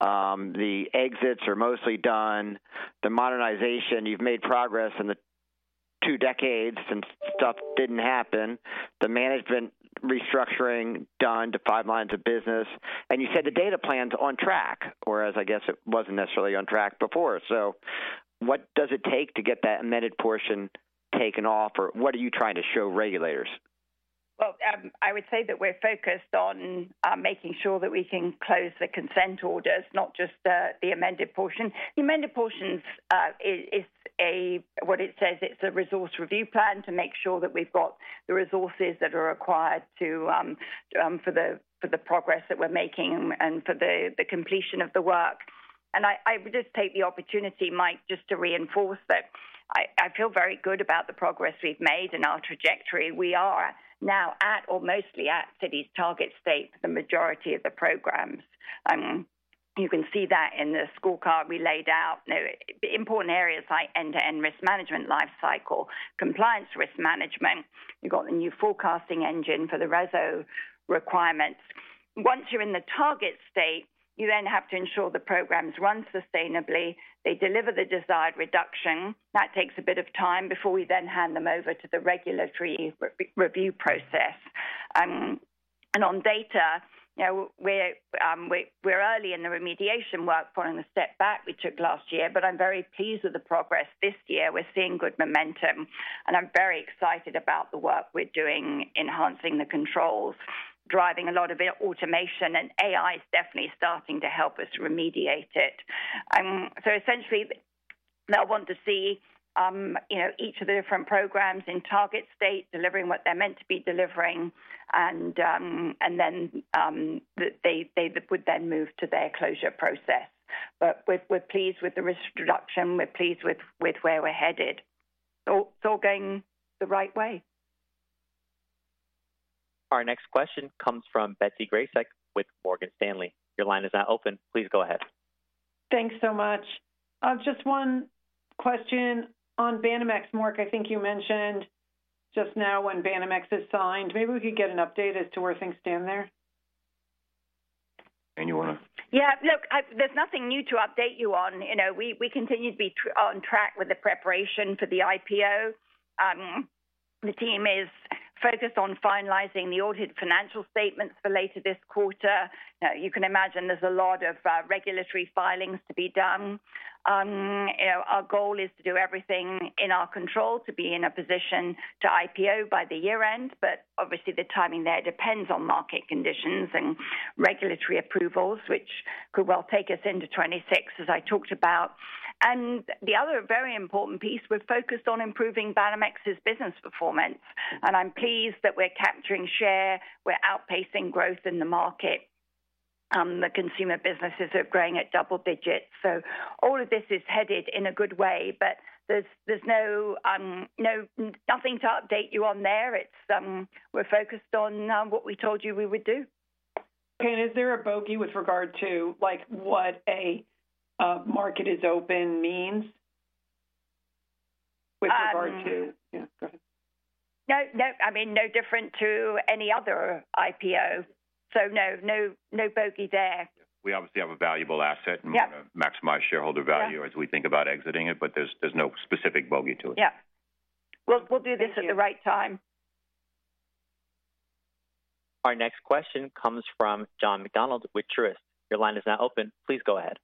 The exits are mostly done. The modernization, you've made progress in the two decades since stuff didn't happen. The management restructuring done to five lines of business. You said the data plan's on track, whereas I guess it wasn't necessarily on track before. What does it take to get that amended portion taken off, or what are you trying to show regulators? I would say that we're focused on making sure that we can close the consent orders, not just the amended portion. The amended portion is what it says. It's a resource review plan to make sure that we've got the resources that are required for the progress that we're making and for the completion of the work. I would just take the opportunity, Mike, just to reinforce that I feel very good about the progress we've made and our trajectory. We are now at, or mostly at, Citi's target state for the majority of the programs. You can see that in the scorecard we laid out. Important areas like end-to-end risk management, lifecycle, compliance risk management. You've got a new forecasting engine for the RESO requirements. Once you're in the target state, you then have to ensure the programs run sustainably. They deliver the desired reduction. That takes a bit of time before we then hand them over to the regulatory review process. On data, we're early in the remediation work, following the step back we took last year. I'm very pleased with the progress this year. We're seeing good momentum. I'm very excited about the work we're doing, enhancing the controls, driving a lot of automation. AI is definitely starting to help us remediate it. Essentially, I want to see each of the different programs in target state delivering what they're meant to be delivering, and then they would then move to their closure process. We're pleased with the risk reduction. We're pleased with where we're headed. It's all going the right way. Our next question comes from Betsy Graseck with Morgan Stanley. Your line is now open. Please go ahead. Thanks so much. Just one question on Banamex, Mark. I think you mentioned just now when Banamex is signed, maybe we could get an update as to where things stand there. You want to? Yeah. Look, there's nothing new to update you on. We continue to be on track with the preparation for the IPO. The team is focused on finalizing the audited financial statements for later this quarter. You can imagine there's a lot of regulatory filings to be done. Our goal is to do everything in our control to be in a position to IPO by the year-end. Obviously, the timing there depends on market conditions and regulatory approvals, which could well take us into 2026, as I talked about. The other very important piece, we're focused on improving Banamex's business performance. I'm pleased that we're capturing share. We're outpacing growth in the market. The consumer businesses are growing at double digits. All of this is headed in a good way, but there's nothing to update you on there. We're focused on what we told you we would do. Can, is there a bogey with regard to what a market is open means? With regard to. No. Yeah. Go ahead. No, no. I mean, no different to any other IPO. No, no bogey there. We obviously have a valuable asset and want to maximize shareholder value as we think about exiting it, but there's no specific bogey to it. Yeah. We'll do this at the right time. Our next question comes from John McDonald with Oppenheimer. Your line is now open. Please go ahead.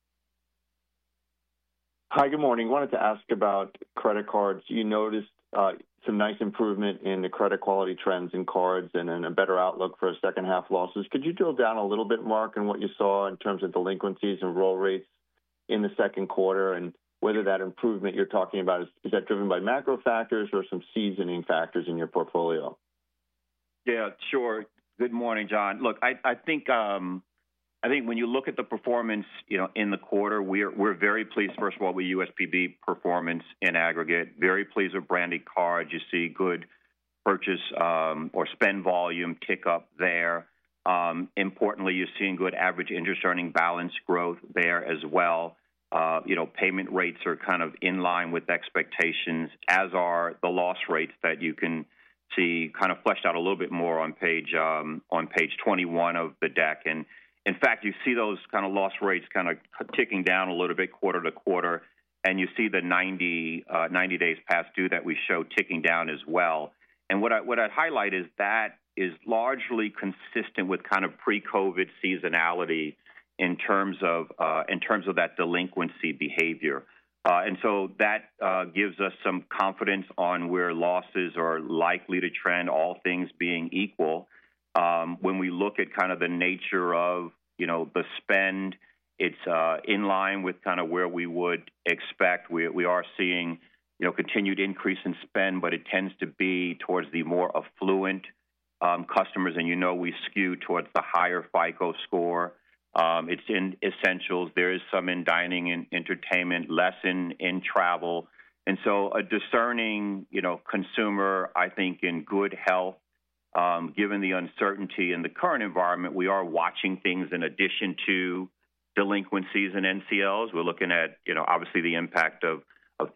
Hi, good morning. Wanted to ask about credit cards. You noticed some nice improvement in the credit quality trends in cards and a better outlook for second-half losses. Could you drill down a little bit, Mark, on what you saw in terms of delinquencies and roll rates in the second quarter and whether that improvement you're talking about, is that driven by macro factors or some seasoning factors in your portfolio? Yeah. Sure. Good morning, John. Look, I think when you look at the performance in the quarter, we're very pleased, first of all, with USPB performance in aggregate. Very pleased with Branded Card. You see good purchase or spend volume kick up there. Importantly, you're seeing good average interest earning balance growth there as well. Payment rates are kind of in line with expectations, as are the loss rates that you can see kind of fleshed out a little bit more on page 21 of the deck. In fact, you see those kind of loss rates kind of ticking down a little bit quarter to quarter. You see the 90 days past due that we show ticking down as well. What I'd highlight is that is largely consistent with kind of pre-COVID seasonality in terms of that delinquency behavior. That gives us some confidence on where losses are likely to trend, all things being equal. When we look at kind of the nature of the spend, it is in line with kind of where we would expect. We are seeing continued increase in spend, but it tends to be towards the more affluent customers. You know we skew towards the higher FICO score. It is in essentials. There is some in dining and entertainment, less in travel. A discerning consumer, I think, in good health. Given the uncertainty in the current environment, we are watching things in addition to delinquencies and NCLs. We are looking at, obviously, the impact of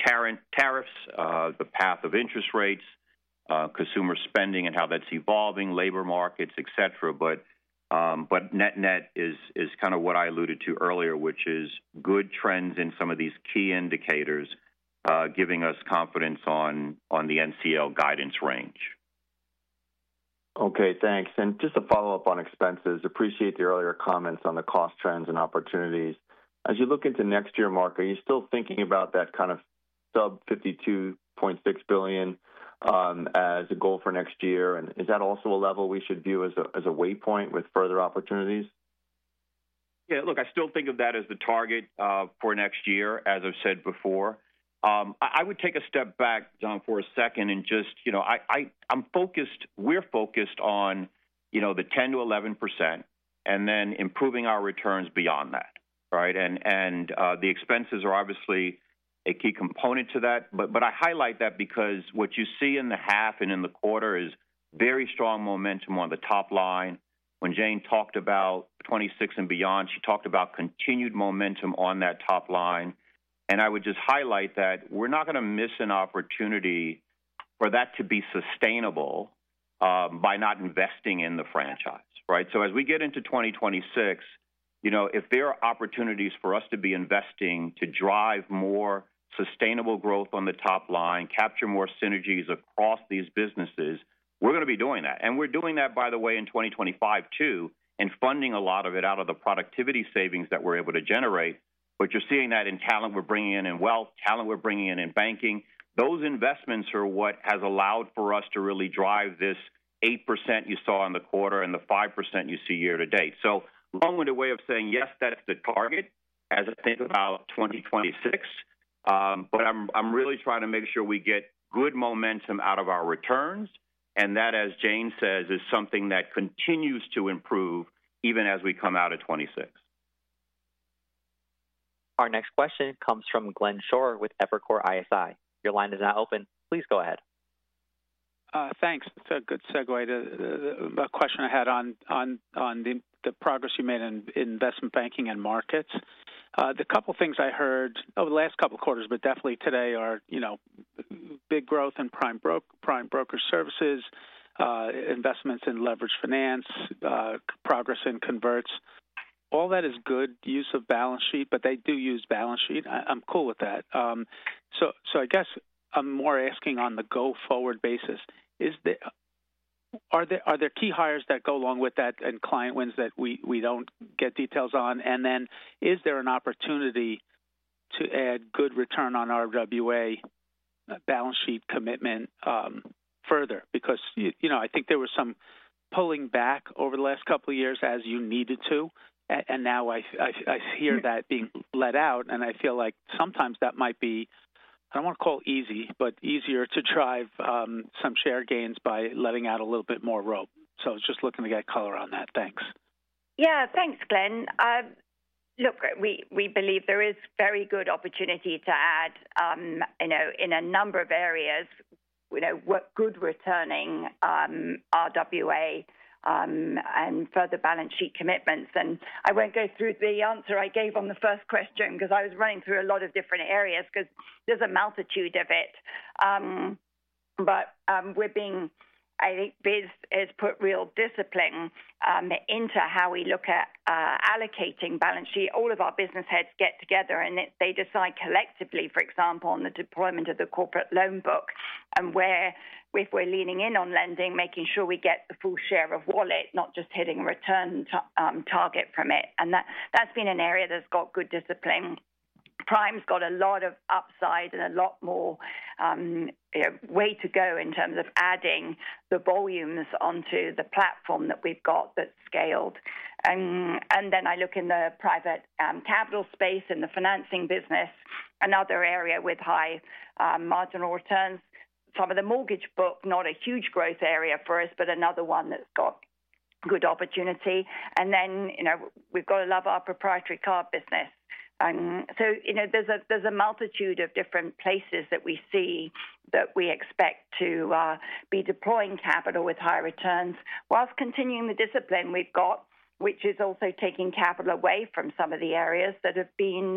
tariffs, the path of interest rates, consumer spending and how that is evolving, labor markets, etc. Net-net is kind of what I alluded to earlier, which is good trends in some of these key indicators, giving us confidence on the NCL guidance range. Okay. Thanks. Just to follow up on expenses, appreciate the earlier comments on the cost trends and opportunities. As you look into next year, Mark, are you still thinking about that kind of sub-$52.6 billion as a goal for next year? Is that also a level we should view as a waypoint with further opportunities? Yeah. Look, I still think of that as the target for next year, as I've said before. I would take a step back, John, for a second and just. I'm focused. We're focused on. The 10%-11% and then improving our returns beyond that, right? And the expenses are obviously a key component to that. I highlight that because what you see in the half and in the quarter is very strong momentum on the top line. When Jane talked about 2026 and beyond, she talked about continued momentum on that top line. I would just highlight that we're not going to miss an opportunity for that to be sustainable by not investing in the franchise, right? As we get into 2026. If there are opportunities for us to be investing to drive more sustainable growth on the top line, capture more synergies across these businesses, we are going to be doing that. We are doing that, by the way, in 2025 too, and funding a lot of it out of the productivity savings that we are able to generate. You are seeing that in talent we are bringing in in wealth, talent we are bringing in in banking. Those investments are what has allowed for us to really drive this 8% you saw in the quarter and the 5% you see year to date. Long-winded way of saying, yes, that is the target as I think about 2026. I am really trying to make sure we get good momentum out of our returns. That, as Jane says, is something that continues to improve even as we come out of 2026. Our next question comes from Glenn Schorr with Evercore ISI. Your line is now open. Please go ahead. Thanks. It's a good segue to the question I had on the progress you made in investment banking and markets. The couple of things I heard over the last couple of quarters, but definitely today, are big growth in prime broker services, investments in leverage finance, progress in converts. All that is good use of balance sheet, but they do use balance sheet. I'm cool with that. I guess I'm more asking on the go-forward basis. Are there key hires that go along with that and client wins that we don't get details on? Is there an opportunity to add good return on RWA, balance sheet commitment, further? I think there was some pulling back over the last couple of years as you needed to, and now I hear that being let out. I feel like sometimes that might be, I do not want to call it easy, but easier to drive some share gains by letting out a little bit more rope. Just looking to get color on that. Thanks. Yeah. Thanks, Glenn. Look, we believe there is very good opportunity to add in a number of areas. Good returning RWA and further balance sheet commitments. I will not go through the answer I gave on the first question because I was running through a lot of different areas because there is a multitude of it. I think Biz has put real discipline into how we look at allocating balance sheet. All of our business heads get together, and they decide collectively, for example, on the deployment of the corporate loan book. Where if we are leaning in on lending, making sure we get the full share of wallet, not just hitting a return target from it. That has been an area that has got good discipline. Prime has got a lot of upside and a lot more. Way to go in terms of adding the volumes onto the platform that we've got that's scaled. I look in the private capital space and the financing business, another area with high marginal returns. Some of the mortgage book, not a huge growth area for us, but another one that's got good opportunity. We've got a lot of our proprietary card business. There's a multitude of different places that we see that we expect to be deploying capital with high returns, whilst continuing the discipline we've got, which is also taking capital away from some of the areas that have been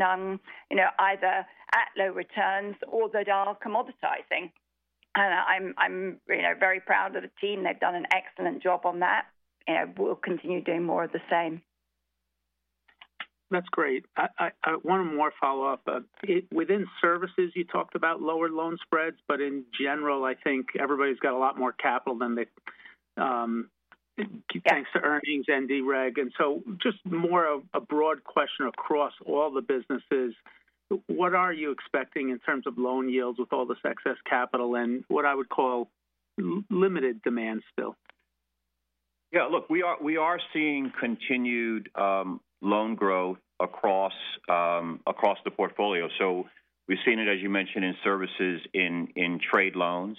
either at low returns or that are commoditizing. I'm very proud of the team. They've done an excellent job on that. We'll continue doing more of the same. That's great. I want to more follow up. Within services, you talked about lower loan spreads, but in general, I think everybody's got a lot more capital than they. Thanks to earnings and DREG. And so just more of a broad question across all the businesses. What are you expecting in terms of loan yields with all this excess capital and what I would call. Limited demand still? Yeah. Look, we are seeing continued loan growth across the portfolio. We have seen it, as you mentioned, in Services, in trade loans.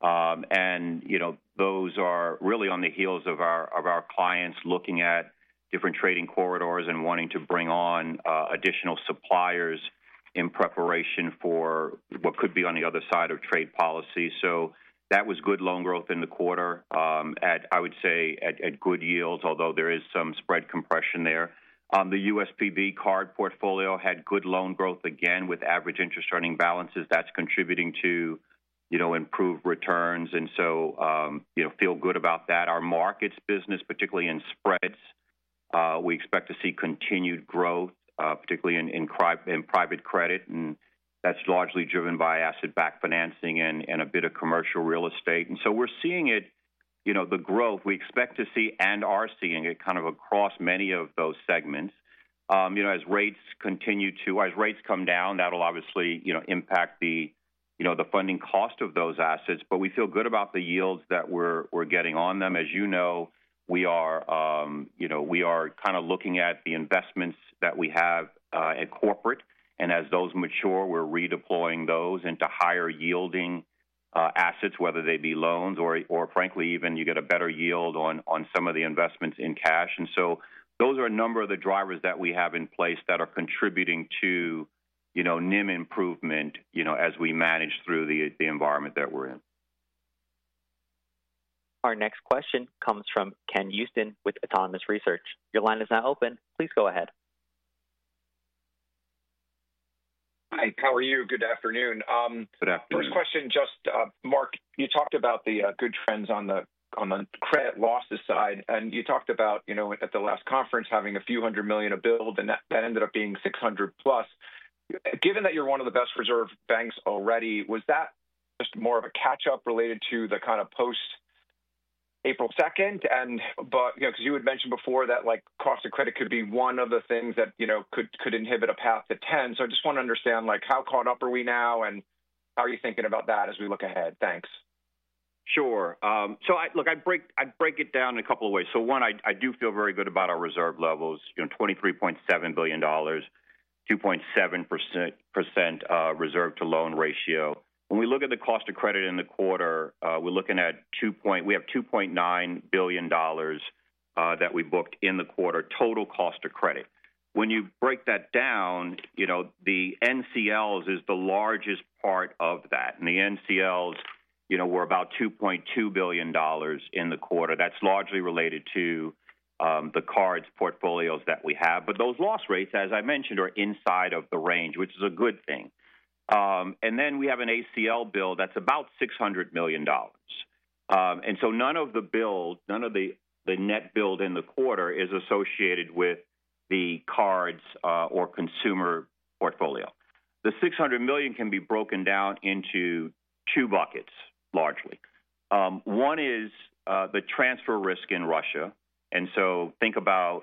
Those are really on the heels of our clients looking at different trading corridors and wanting to bring on additional suppliers in preparation for what could be on the other side of trade policy. That was good loan growth in the quarter, I would say, at good yields, although there is some spread compression there. The USPB card portfolio had good loan growth again with average interest earning balances. That is contributing to improved returns. I feel good about that. Our markets business, particularly in spreads, we expect to see continued growth, particularly in private credit. That is largely driven by asset-backed financing and a bit of commercial real estate. We are seeing it, the growth we expect to see and are seeing it kind of across many of those segments. As rates continue to, as rates come down, that will obviously impact the funding cost of those assets. We feel good about the yields that we are getting on them. As you know, we are kind of looking at the investments that we have at corporate, and as those mature, we are redeploying those into higher yielding assets, whether they be loans or, frankly, even you get a better yield on some of the investments in cash. Those are a number of the drivers that we have in place that are contributing to NIM improvement as we manage through the environment that we are in. Our next question comes from Ken Usdin with Autonomous Research. Your line is now open. Please go ahead. Hi, how are you? Good afternoon. Good afternoon. First question, just Mark, you talked about the good trends on the credit losses side. You talked about at the last conference having a few hundred million to build, and that ended up being $600-plus. Given that you're one of the best reserve banks already, was that just more of a catch-up related to the kind of post-April 2nd? Because you had mentioned before that cost of credit could be one of the things that could inhibit a path to 10. I just want to understand how caught up are we now and how are you thinking about that as we look ahead? Thanks. Sure. Look, I break it down in a couple of ways. One, I do feel very good about our reserve levels, $23.7 billion, 2.7% reserve-to-loan ratio. When we look at the cost of credit in the quarter, we're looking at $2.9 billion that we booked in the quarter, total cost of credit. When you break that down, the NCLs is the largest part of that, and the NCLs were about $2.2 billion in the quarter. That's largely related to the cards portfolios that we have, but those loss rates, as I mentioned, are inside of the range, which is a good thing. We have an ACL bill that's about $600 million, and none of the bill, none of the net bill in the quarter is associated with the cards or consumer portfolio. The $600 million can be broken down into two buckets, largely. One is the transfer risk in Russia. Think about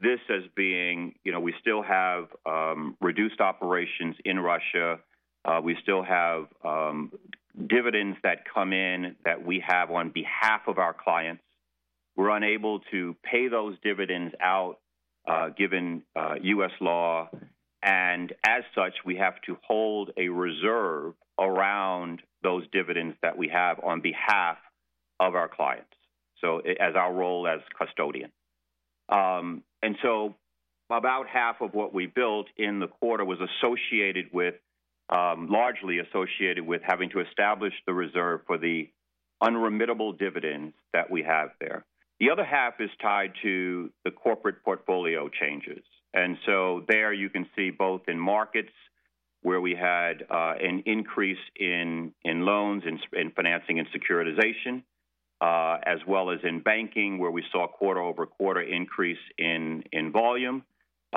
this as being we still have reduced operations in Russia. We still have dividends that come in that we have on behalf of our clients. We're unable to pay those dividends out given U.S. law. As such, we have to hold a reserve around those dividends that we have on behalf of our clients, so as our role as custodian. About half of what we built in the quarter was largely associated with having to establish the reserve for the unremitable dividends that we have there. The other half is tied to the corporate portfolio changes. There you can see both in markets where we had an increase in loans and financing and securitization. As well as in banking where we saw quarter-over-quarter increase in volume,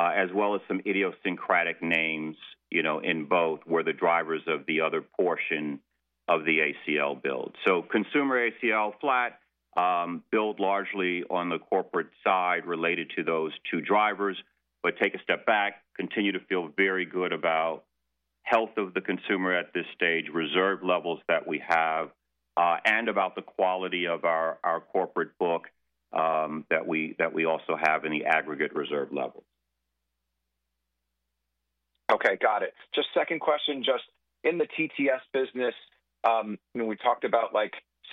as well as some idiosyncratic names in both were the drivers of the other portion of the ACL build. So consumer ACL flat. Build largely on the corporate side related to those two drivers. Take a step back, continue to feel very good about health of the consumer at this stage, reserve levels that we have, and about the quality of our corporate book that we also have in the aggregate reserve levels. Okay. Got it. Just second question, just in the TTS business. When we talked about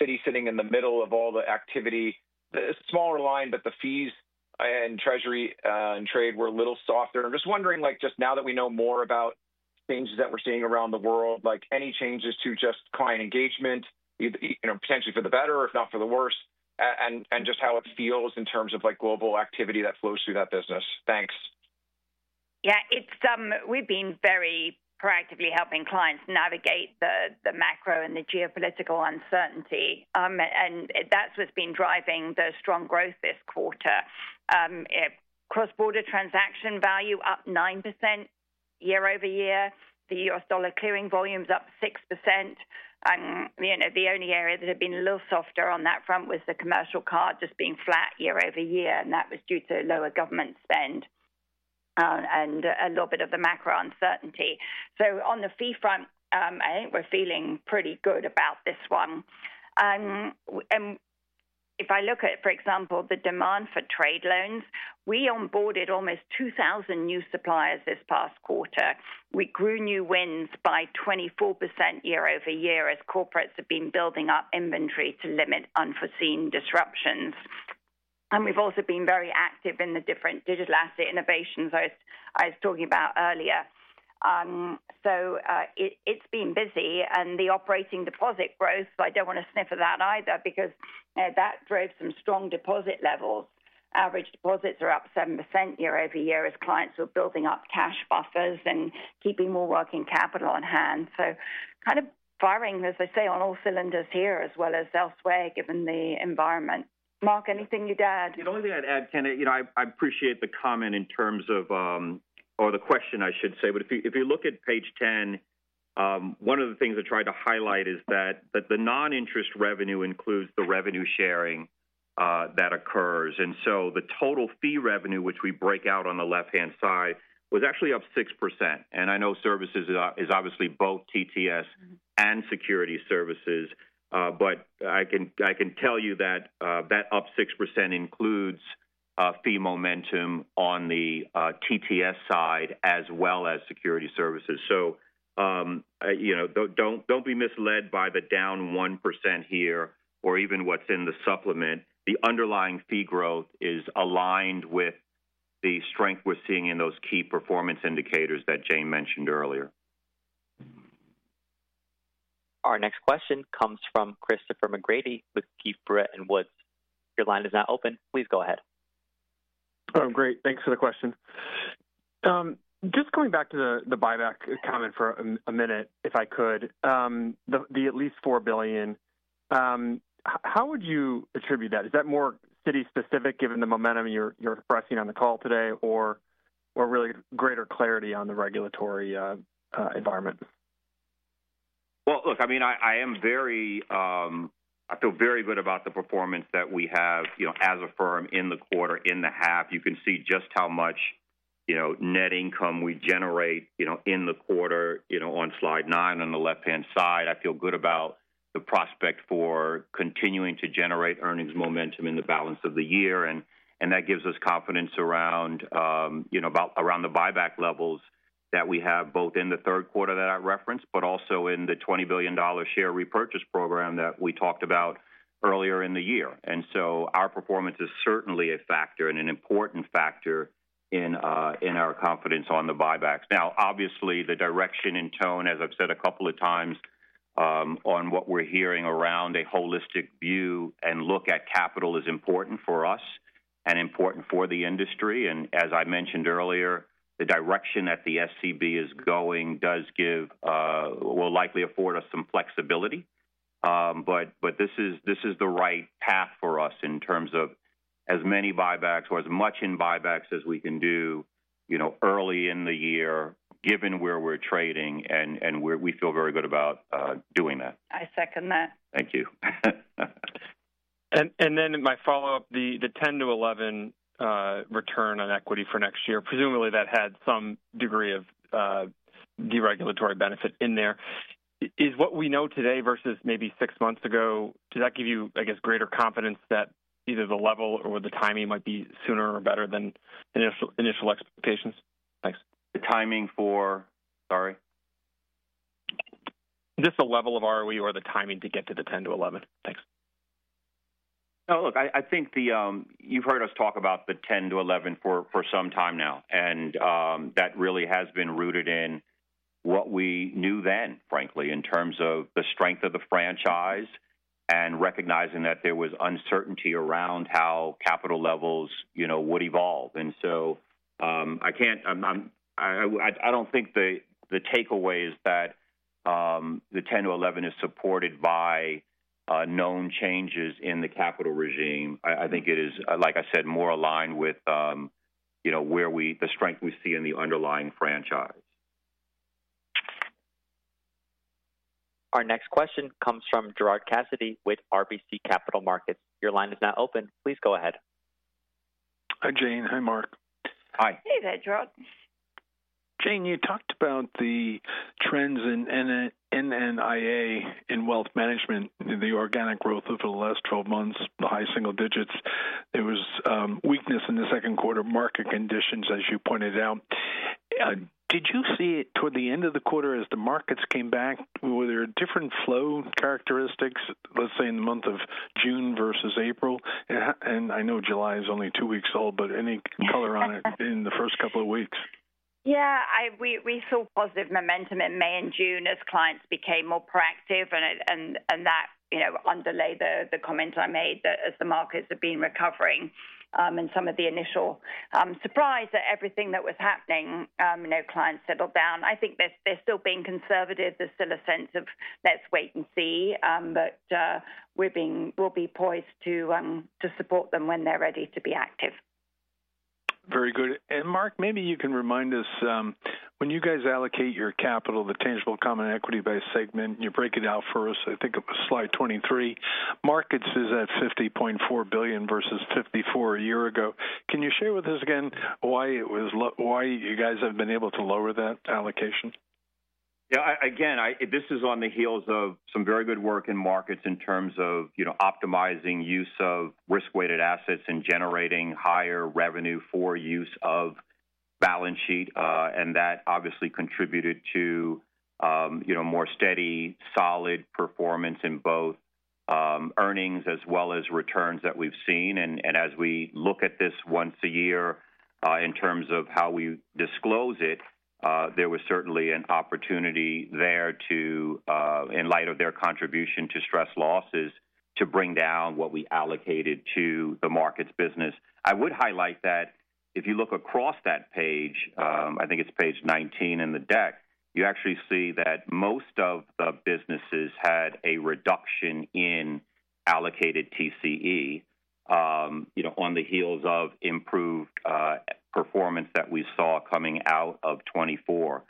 Citi sitting in the middle of all the activity, a smaller line, but the fees in Treasury and Trade were a little softer. I'm just wondering, just now that we know more about changes that we're seeing around the world, any changes to just client engagement, potentially for the better, if not for the worse, and just how it feels in terms of global activity that flows through that business. Thanks. Yeah. We've been very proactively helping clients navigate the macro and the geopolitical uncertainty. That's what's been driving the strong growth this quarter. Cross-border transaction value up 9% year over year. The U.S. dollar clearing volumes up 6%. The only area that had been a little softer on that front was the commercial card just being flat year over year. That was due to lower government spend and a little bit of the macro uncertainty. On the fee front, I think we're feeling pretty good about this one. If I look at, for example, the demand for trade loans, we onboarded almost 2,000 new suppliers this past quarter. We grew new wins by 24% year over year as corporates have been building up inventory to limit unforeseen disruptions. We've also been very active in the different digital asset innovations I was talking about earlier. It's been busy. The operating deposit growth, I do not want to sniff at that either because that drove some strong deposit levels. Average deposits are up 7% year over year as clients were building up cash buffers and keeping more working capital on hand. Kind of firing, as I say, on all cylinders here, as well as elsewhere, given the environment. Mark, anything you'd add? The only thing I'd add, Kenneth, I appreciate the comment in terms of, or the question, I should say. If you look at page 10, one of the things I tried to highlight is that the non-interest revenue includes the revenue sharing that occurs. The total fee revenue, which we break out on the left-hand side, was actually up 6%. I know services is obviously both TTS and security services, but I can tell you that that up 6% includes fee momentum on the TTS side as well as security services. Do not be misled by the down 1% here or even what's in the supplement. The underlying fee growth is aligned with the strength we're seeing in those key performance indicators that Jane mentioned earlier. Our next question comes from Christopher McGratty with Keefe, Bruyette & Woods. Your line is now open. Please go ahead. Great. Thanks for the question. Just coming back to the buyback comment for a minute, if I could. The at least $4 billion. How would you attribute that? Is that more Citi-specific, given the momentum you're expressing on the call today, or really greater clarity on the regulatory environment? I mean, I feel very good about the performance that we have as a firm in the quarter, in the half. You can see just how much net income we generate in the quarter on slide nine on the left-hand side. I feel good about the prospect for continuing to generate earnings momentum in the balance of the year. That gives us confidence around the buyback levels that we have both in the third quarter that I referenced, but also in the $20 billion share repurchase program that we talked about earlier in the year. Our performance is certainly a factor and an important factor in our confidence on the buybacks. Now, obviously, the direction and tone, as I've said a couple of times. What we're hearing around a holistic view and look at capital is important for us and important for the industry. As I mentioned earlier, the direction that the SCB is going will likely afford us some flexibility. This is the right path for us in terms of as many buybacks or as much in buybacks as we can do early in the year, given where we're trading, and we feel very good about doing that. I second that. Thank you. My follow-up, the 10-11% return on equity for next year, presumably that had some degree of de-regulatory benefit in there. Is what we know today versus maybe six months ago, does that give you, I guess, greater confidence that either the level or the timing might be sooner or better than initial expectations? Thanks. The timing for?sorry. Just the level of ROE or the timing to get to the 10-11%. Thanks. No, look, I think you've heard us talk about the 10-11% for some time now. That really has been rooted in what we knew then, frankly, in terms of the strength of the franchise and recognizing that there was uncertainty around how capital levels would evolve. I can't. I don't think the takeaway is that the 10-11% is supported by known changes in the capital regime. I think it is, like I said, more aligned with where the strength we see in the underlying franchise. Our next question comes from Gerard Cassidy with RBC Capital Markets. Your line is now open. Please go ahead. Hi, Jane. Hi, Mark. Hi. Hey there, Gerard. Jane, you talked about the trends in NNIA in wealth management, the organic growth over the last 12 months, the high single digits. There was weakness in the second quarter market conditions, as you pointed out. Did you see it toward the end of the quarter as the markets came back? Were there different flow characteristics, let's say, in the month of June versus April? I know July is only two weeks old, but any color on it in the first couple of weeks? Yeah. We saw positive momentum in May and June as clients became more proactive. That underlaid the comment I made that as the markets have been recovering and some of the initial surprise at everything that was happening, clients settled down. I think they're still being conservative. There's still a sense of, "Let's wait and see." We'll be poised to support them when they're ready to be active. Very good. Mark, maybe you can remind us, when you guys allocate your capital, the tangible common equity by segment, and you break it out for us, I think it was slide 23, markets is at $50.4 billion versus $54 billion a year ago. Can you share with us again why you guys have been able to lower that allocation? Yeah. Again, this is on the heels of some very good work in markets in terms of optimizing use of risk-weighted assets and generating higher revenue for use of balance sheet. That obviously contributed to more steady, solid performance in both earnings as well as returns that we've seen. As we look at this once a year in terms of how we disclose it, there was certainly an opportunity there to, in light of their contribution to stress losses, bring down what we allocated to the markets business. I would highlight that if you look across that page, I think it's page 19 in the deck, you actually see that most of the businesses had a reduction in allocated TCE on the heels of improved performance that we saw coming out of 2024.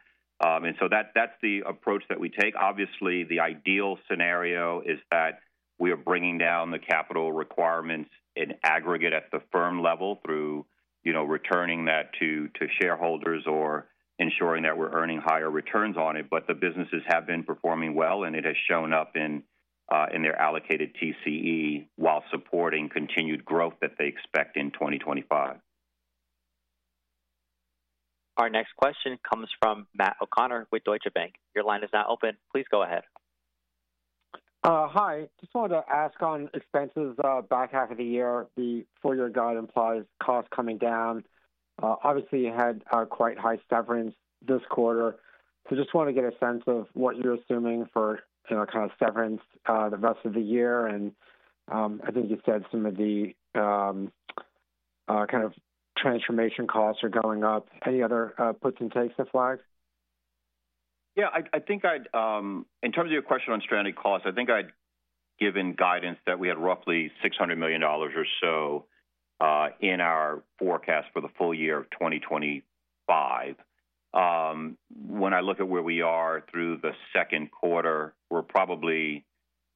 That's the approach that we take. Obviously, the ideal scenario is that we are bringing down the capital requirements in aggregate at the firm level through returning that to shareholders or ensuring that we're earning higher returns on it. The businesses have been performing well, and it has shown up in their allocated TCE while supporting continued growth that they expect in 2025. Our next question comes from Matt O'Connor with Deutsche Bank. Your line is now open. Please go ahead. Hi. Just wanted to ask on expenses back half of the year, the full-year guide implies costs coming down. Obviously, you had quite high severance this quarter. Just wanted to get a sense of what you're assuming for kind of severance the rest of the year. I think you said some of the kind of transformation costs are going up. Any other puts and takes to flag? Yeah. In terms of your question on strategy costs, I think I'd given guidance that we had roughly $600 million or so in our forecast for the full year of 2025. When I look at where we are through the second quarter, we're probably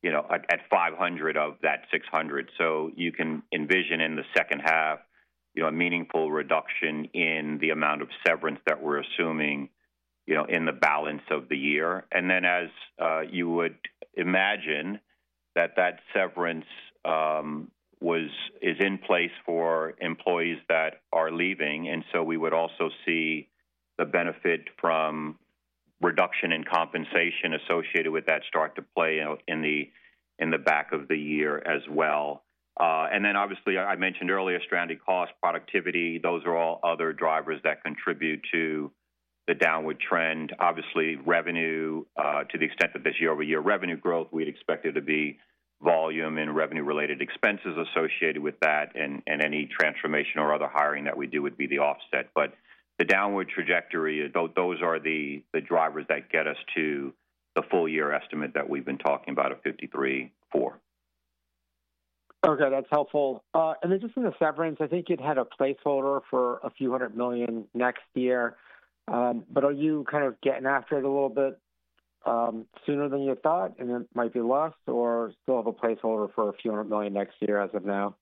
at $500 of that $600. You can envision in the second half a meaningful reduction in the amount of severance that we're assuming in the balance of the year. As you would imagine, that severance is in place for employees that are leaving. We would also see the benefit from reduction in compensation associated with that start to play in the back of the year as well. Obviously, I mentioned earlier strategy costs, productivity, those are all other drivers that contribute to the downward trend. Obviously, revenue, to the extent that there's year-over-year revenue growth, we'd expect it to be volume and revenue-related expenses associated with that. Any transformation or other hiring that we do would be the offset. The downward trajectory, those are the drivers that get us to the full-year estimate that we've been talking about of $53.4 billion. Okay. That's helpful. Then just in the severance, I think it had a placeholder for a few hundred million next year. Are you kind of getting after it a little bit sooner than you thought and it might be lost, or still have a placeholder for a few 100 million next year as of now?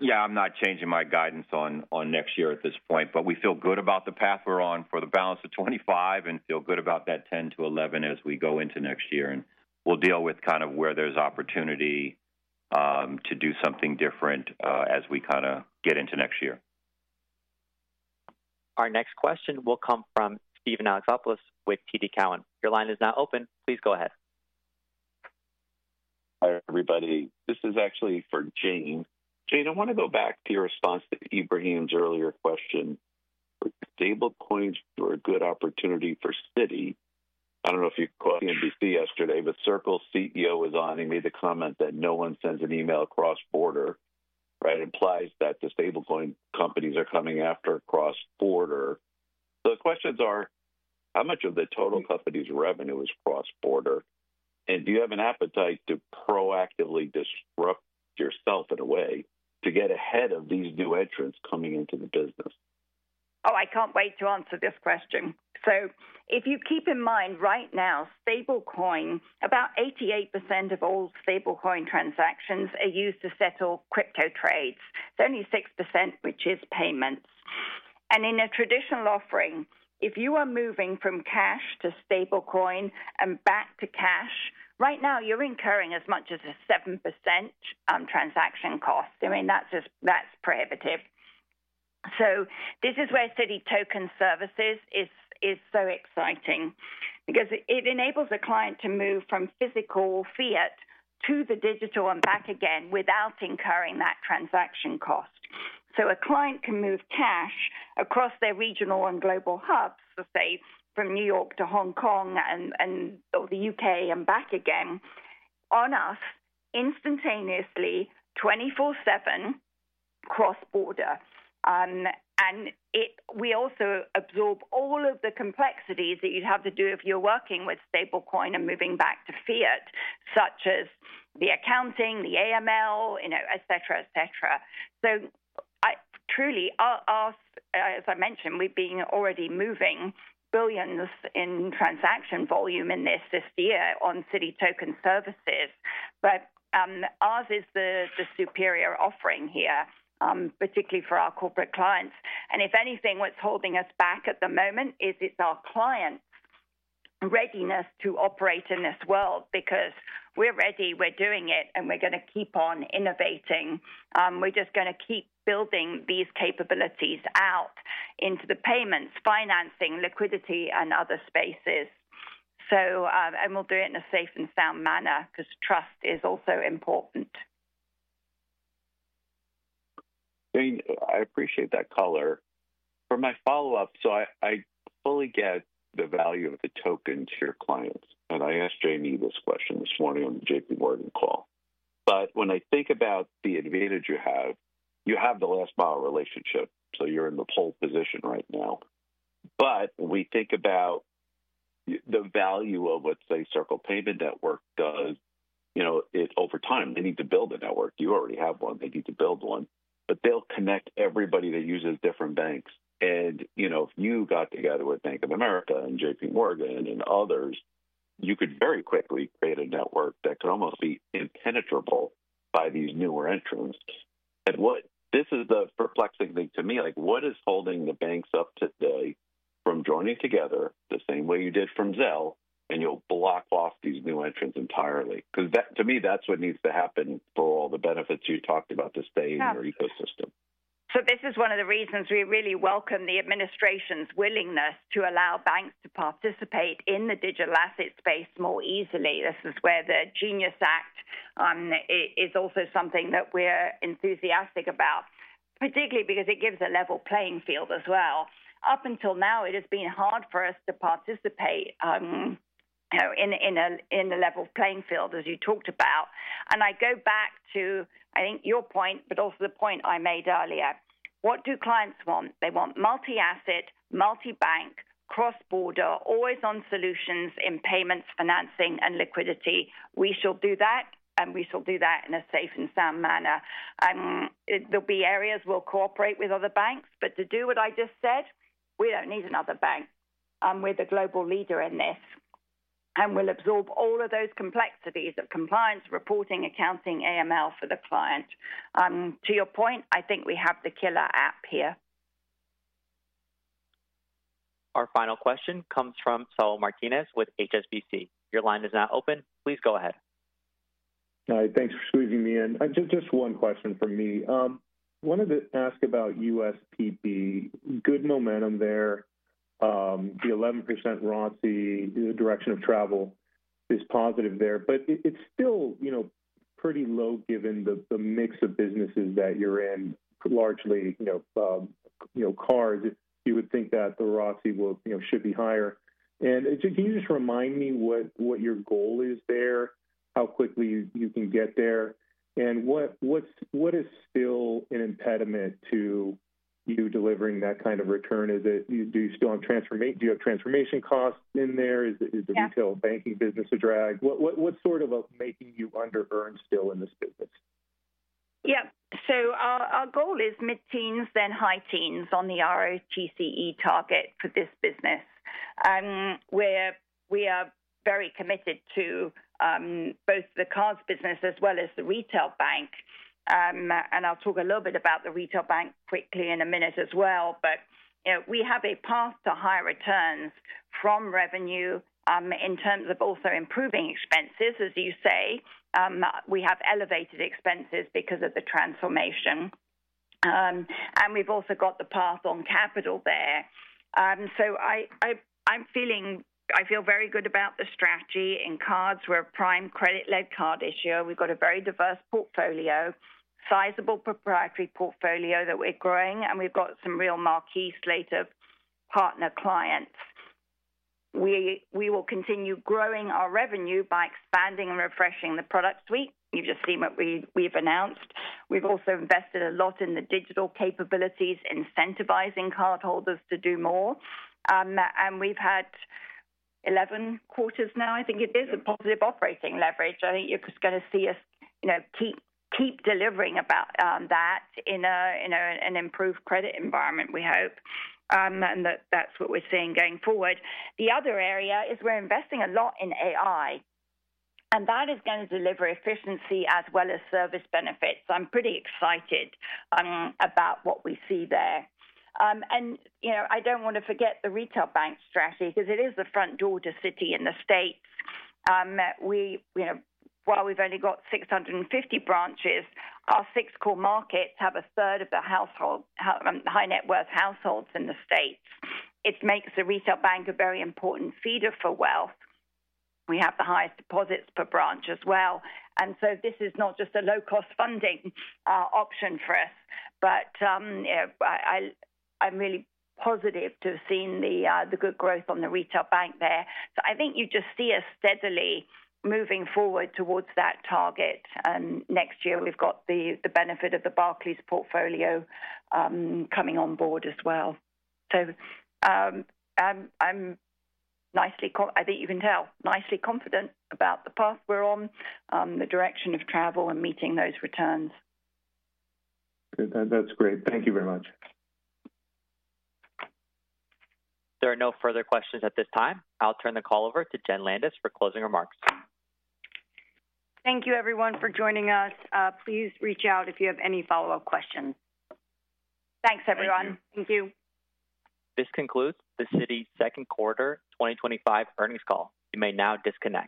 Yeah. I'm not changing my guidance on next year at this point. We feel good about the path we're on for the balance of 2025 and feel good about that 10-11% as we go into next year. We'll deal with kind of where there's opportunity to do something different as we kind of get into next year. Our next question will come from Steven Alexopoulos with TD Cowen. Your line is now open. Please go ahead. Hi, everybody. This is actually for Jane. Jane, I want to go back to your response to Ibrahim's earlier question. Stablecoins were a good opportunity for Citi. I don't know if you caught CNBC yesterday, but Circle's CEO was on. He made the comment that no one sends an email cross-border, right? It implies that the stablecoin companies are coming after cross-border. So the questions are, how much of the total company's revenue is cross-border? And do you have an appetite to proactively disrupt yourself in a way to get ahead of these new entrants coming into the business? Oh, I can't wait to answer this question. If you keep in mind right now, stablecoin, about 88% of all stablecoin transactions are used to settle crypto trades. It's only 6%, which is payments. In a traditional offering, if you are moving from cash to stablecoin and back to cash, right now, you're incurring as much as a 7% transaction cost. I mean, that's prohibitive. This is where Citi Token Services is so exciting because it enables a client to move from physical fiat to the digital and back again without incurring that transaction cost. A client can move cash across their regional and global hubs, say, from New York to Hong Kong or the U.K. and back again. On us instantaneously, 24/7. Cross-border. We also absorb all of the complexities that you would have to do if you are working with stablecoin and moving back to fiat, such as the accounting, the AML, etc., etc. Truly, as I mentioned, we have already been moving billions in transaction volume this year on Citi Token Services. Ours is the superior offering here, particularly for our corporate clients. If anything, what is holding us back at the moment is our clients' readiness to operate in this world because we are ready, we are doing it, and we are going to keep on innovating. We are just going to keep building these capabilities out into the payments, financing, liquidity, and other spaces. We will do it in a safe and sound manner because trust is also important. Jane, I appreciate that color. For my follow-up, I fully get the value of the token to your clients. I asked Jamie this question this morning on the JPMorgan call. When I think about the advantage you have, you have the last mile relationship, so you're in the pole position right now. When we think about the value of what the Circle payment network does, over time, they need to build a network. You already have one. They need to build one. They'll connect everybody that uses different banks. If you got together with Bank of America and JPMorgan and others, you could very quickly create a network that could almost be impenetrable by these newer entrants. This is the perplexing thing to me. What is holding the banks up today from joining together the same way you did from Zelle? You will block off these new entrants entirely. Because to me, that's what needs to happen for all the benefits you talked about to stay in your ecosystem. This is one of the reasons we really welcome the administration's willingness to allow banks to participate in the digital asset space more easily. This is where the Genius Act is also something that we're enthusiastic about, particularly because it gives a level playing field as well. Up until now, it has been hard for us to participate in a level playing field, as you talked about. I go back to, I think, your point, but also the point I made earlier. What do clients want? They want multi-asset, multi-bank, cross-border, always-on solutions in payments, financing, and liquidity. We shall do that, and we shall do that in a safe and sound manner. There'll be areas we'll cooperate with other banks. To do what I just said, we don't need another bank. We're the global leader in this. We will absorb all of those complexities of compliance, reporting, accounting, AML for the client. To your point, I think we have the killer app here. Our final question comes from Saul Martinez with HSBC. Your line is now open. Please go ahead. Hi. Thanks for squeezing me in. Just one question for me. I wanted to ask about USPP. Good momentum there. The 11% RoTCE, the direction of travel is positive there. It's still pretty low given the mix of businesses that you're in, largely cards. You would think that the RoTCE should be higher. Can you just remind me what your goal is there, how quickly you can get there, and what is still an impediment to you delivering that kind of return? Do you still have transformation costs in there? Is the retail banking business a drag? What's sort of making you under-earned still in this business? Yeah. Our goal is mid-teens, then high-teens on the RoTCE target for this business. We are very committed to both the cards business as well as the retail bank. I'll talk a little bit about the retail bank quickly in a minute as well. We have a path to higher returns from revenue in terms of also improving expenses, as you say. We have elevated expenses because of the transformation. We've also got the path on capital there. I feel very good about the strategy in cards. We're a prime credit-led card issuer. We've got a very diverse portfolio, sizable proprietary portfolio that we're growing. We've got some real marquee slate of partner clients. We will continue growing our revenue by expanding and refreshing the product suite. You've just seen what we've announced. We've also invested a lot in the digital capabilities, incentivizing cardholders to do more. We've had 11 quarters now, I think it is, of positive operating leverage. I think you're just going to see us keep delivering about that in an improved credit environment, we hope. That's what we're seeing going forward. The other area is we're investing a lot in AI. That is going to deliver efficiency as well as service benefits. I'm pretty excited about what we see there. I don't want to forget the retail bank strategy because it is the front door to Citi in the States. While we've only got 650 branches, our six core markets have a third of the high-net-worth households in the States. It makes the retail bank a very important feeder for wealth. We have the highest deposits per branch as well. This is not just a low-cost funding option for us. I am really positive to have seen the good growth on the retail bank there. I think you just see us steadily moving forward towards that target. Next year, we have the benefit of the Barclays portfolio coming on board as well. I am nicely—I think you can tell—nicely confident about the path we are on, the direction of travel, and meeting those returns. That's great. Thank you very much. There are no further questions at this time. I'll turn the call over to Jen Landis for closing remarks. Thank you, everyone, for joining us. Please reach out if you have any follow-up questions. Thanks, everyone. Thank you. This concludes the Citi second quarter 2025 earnings call. You may now disconnect.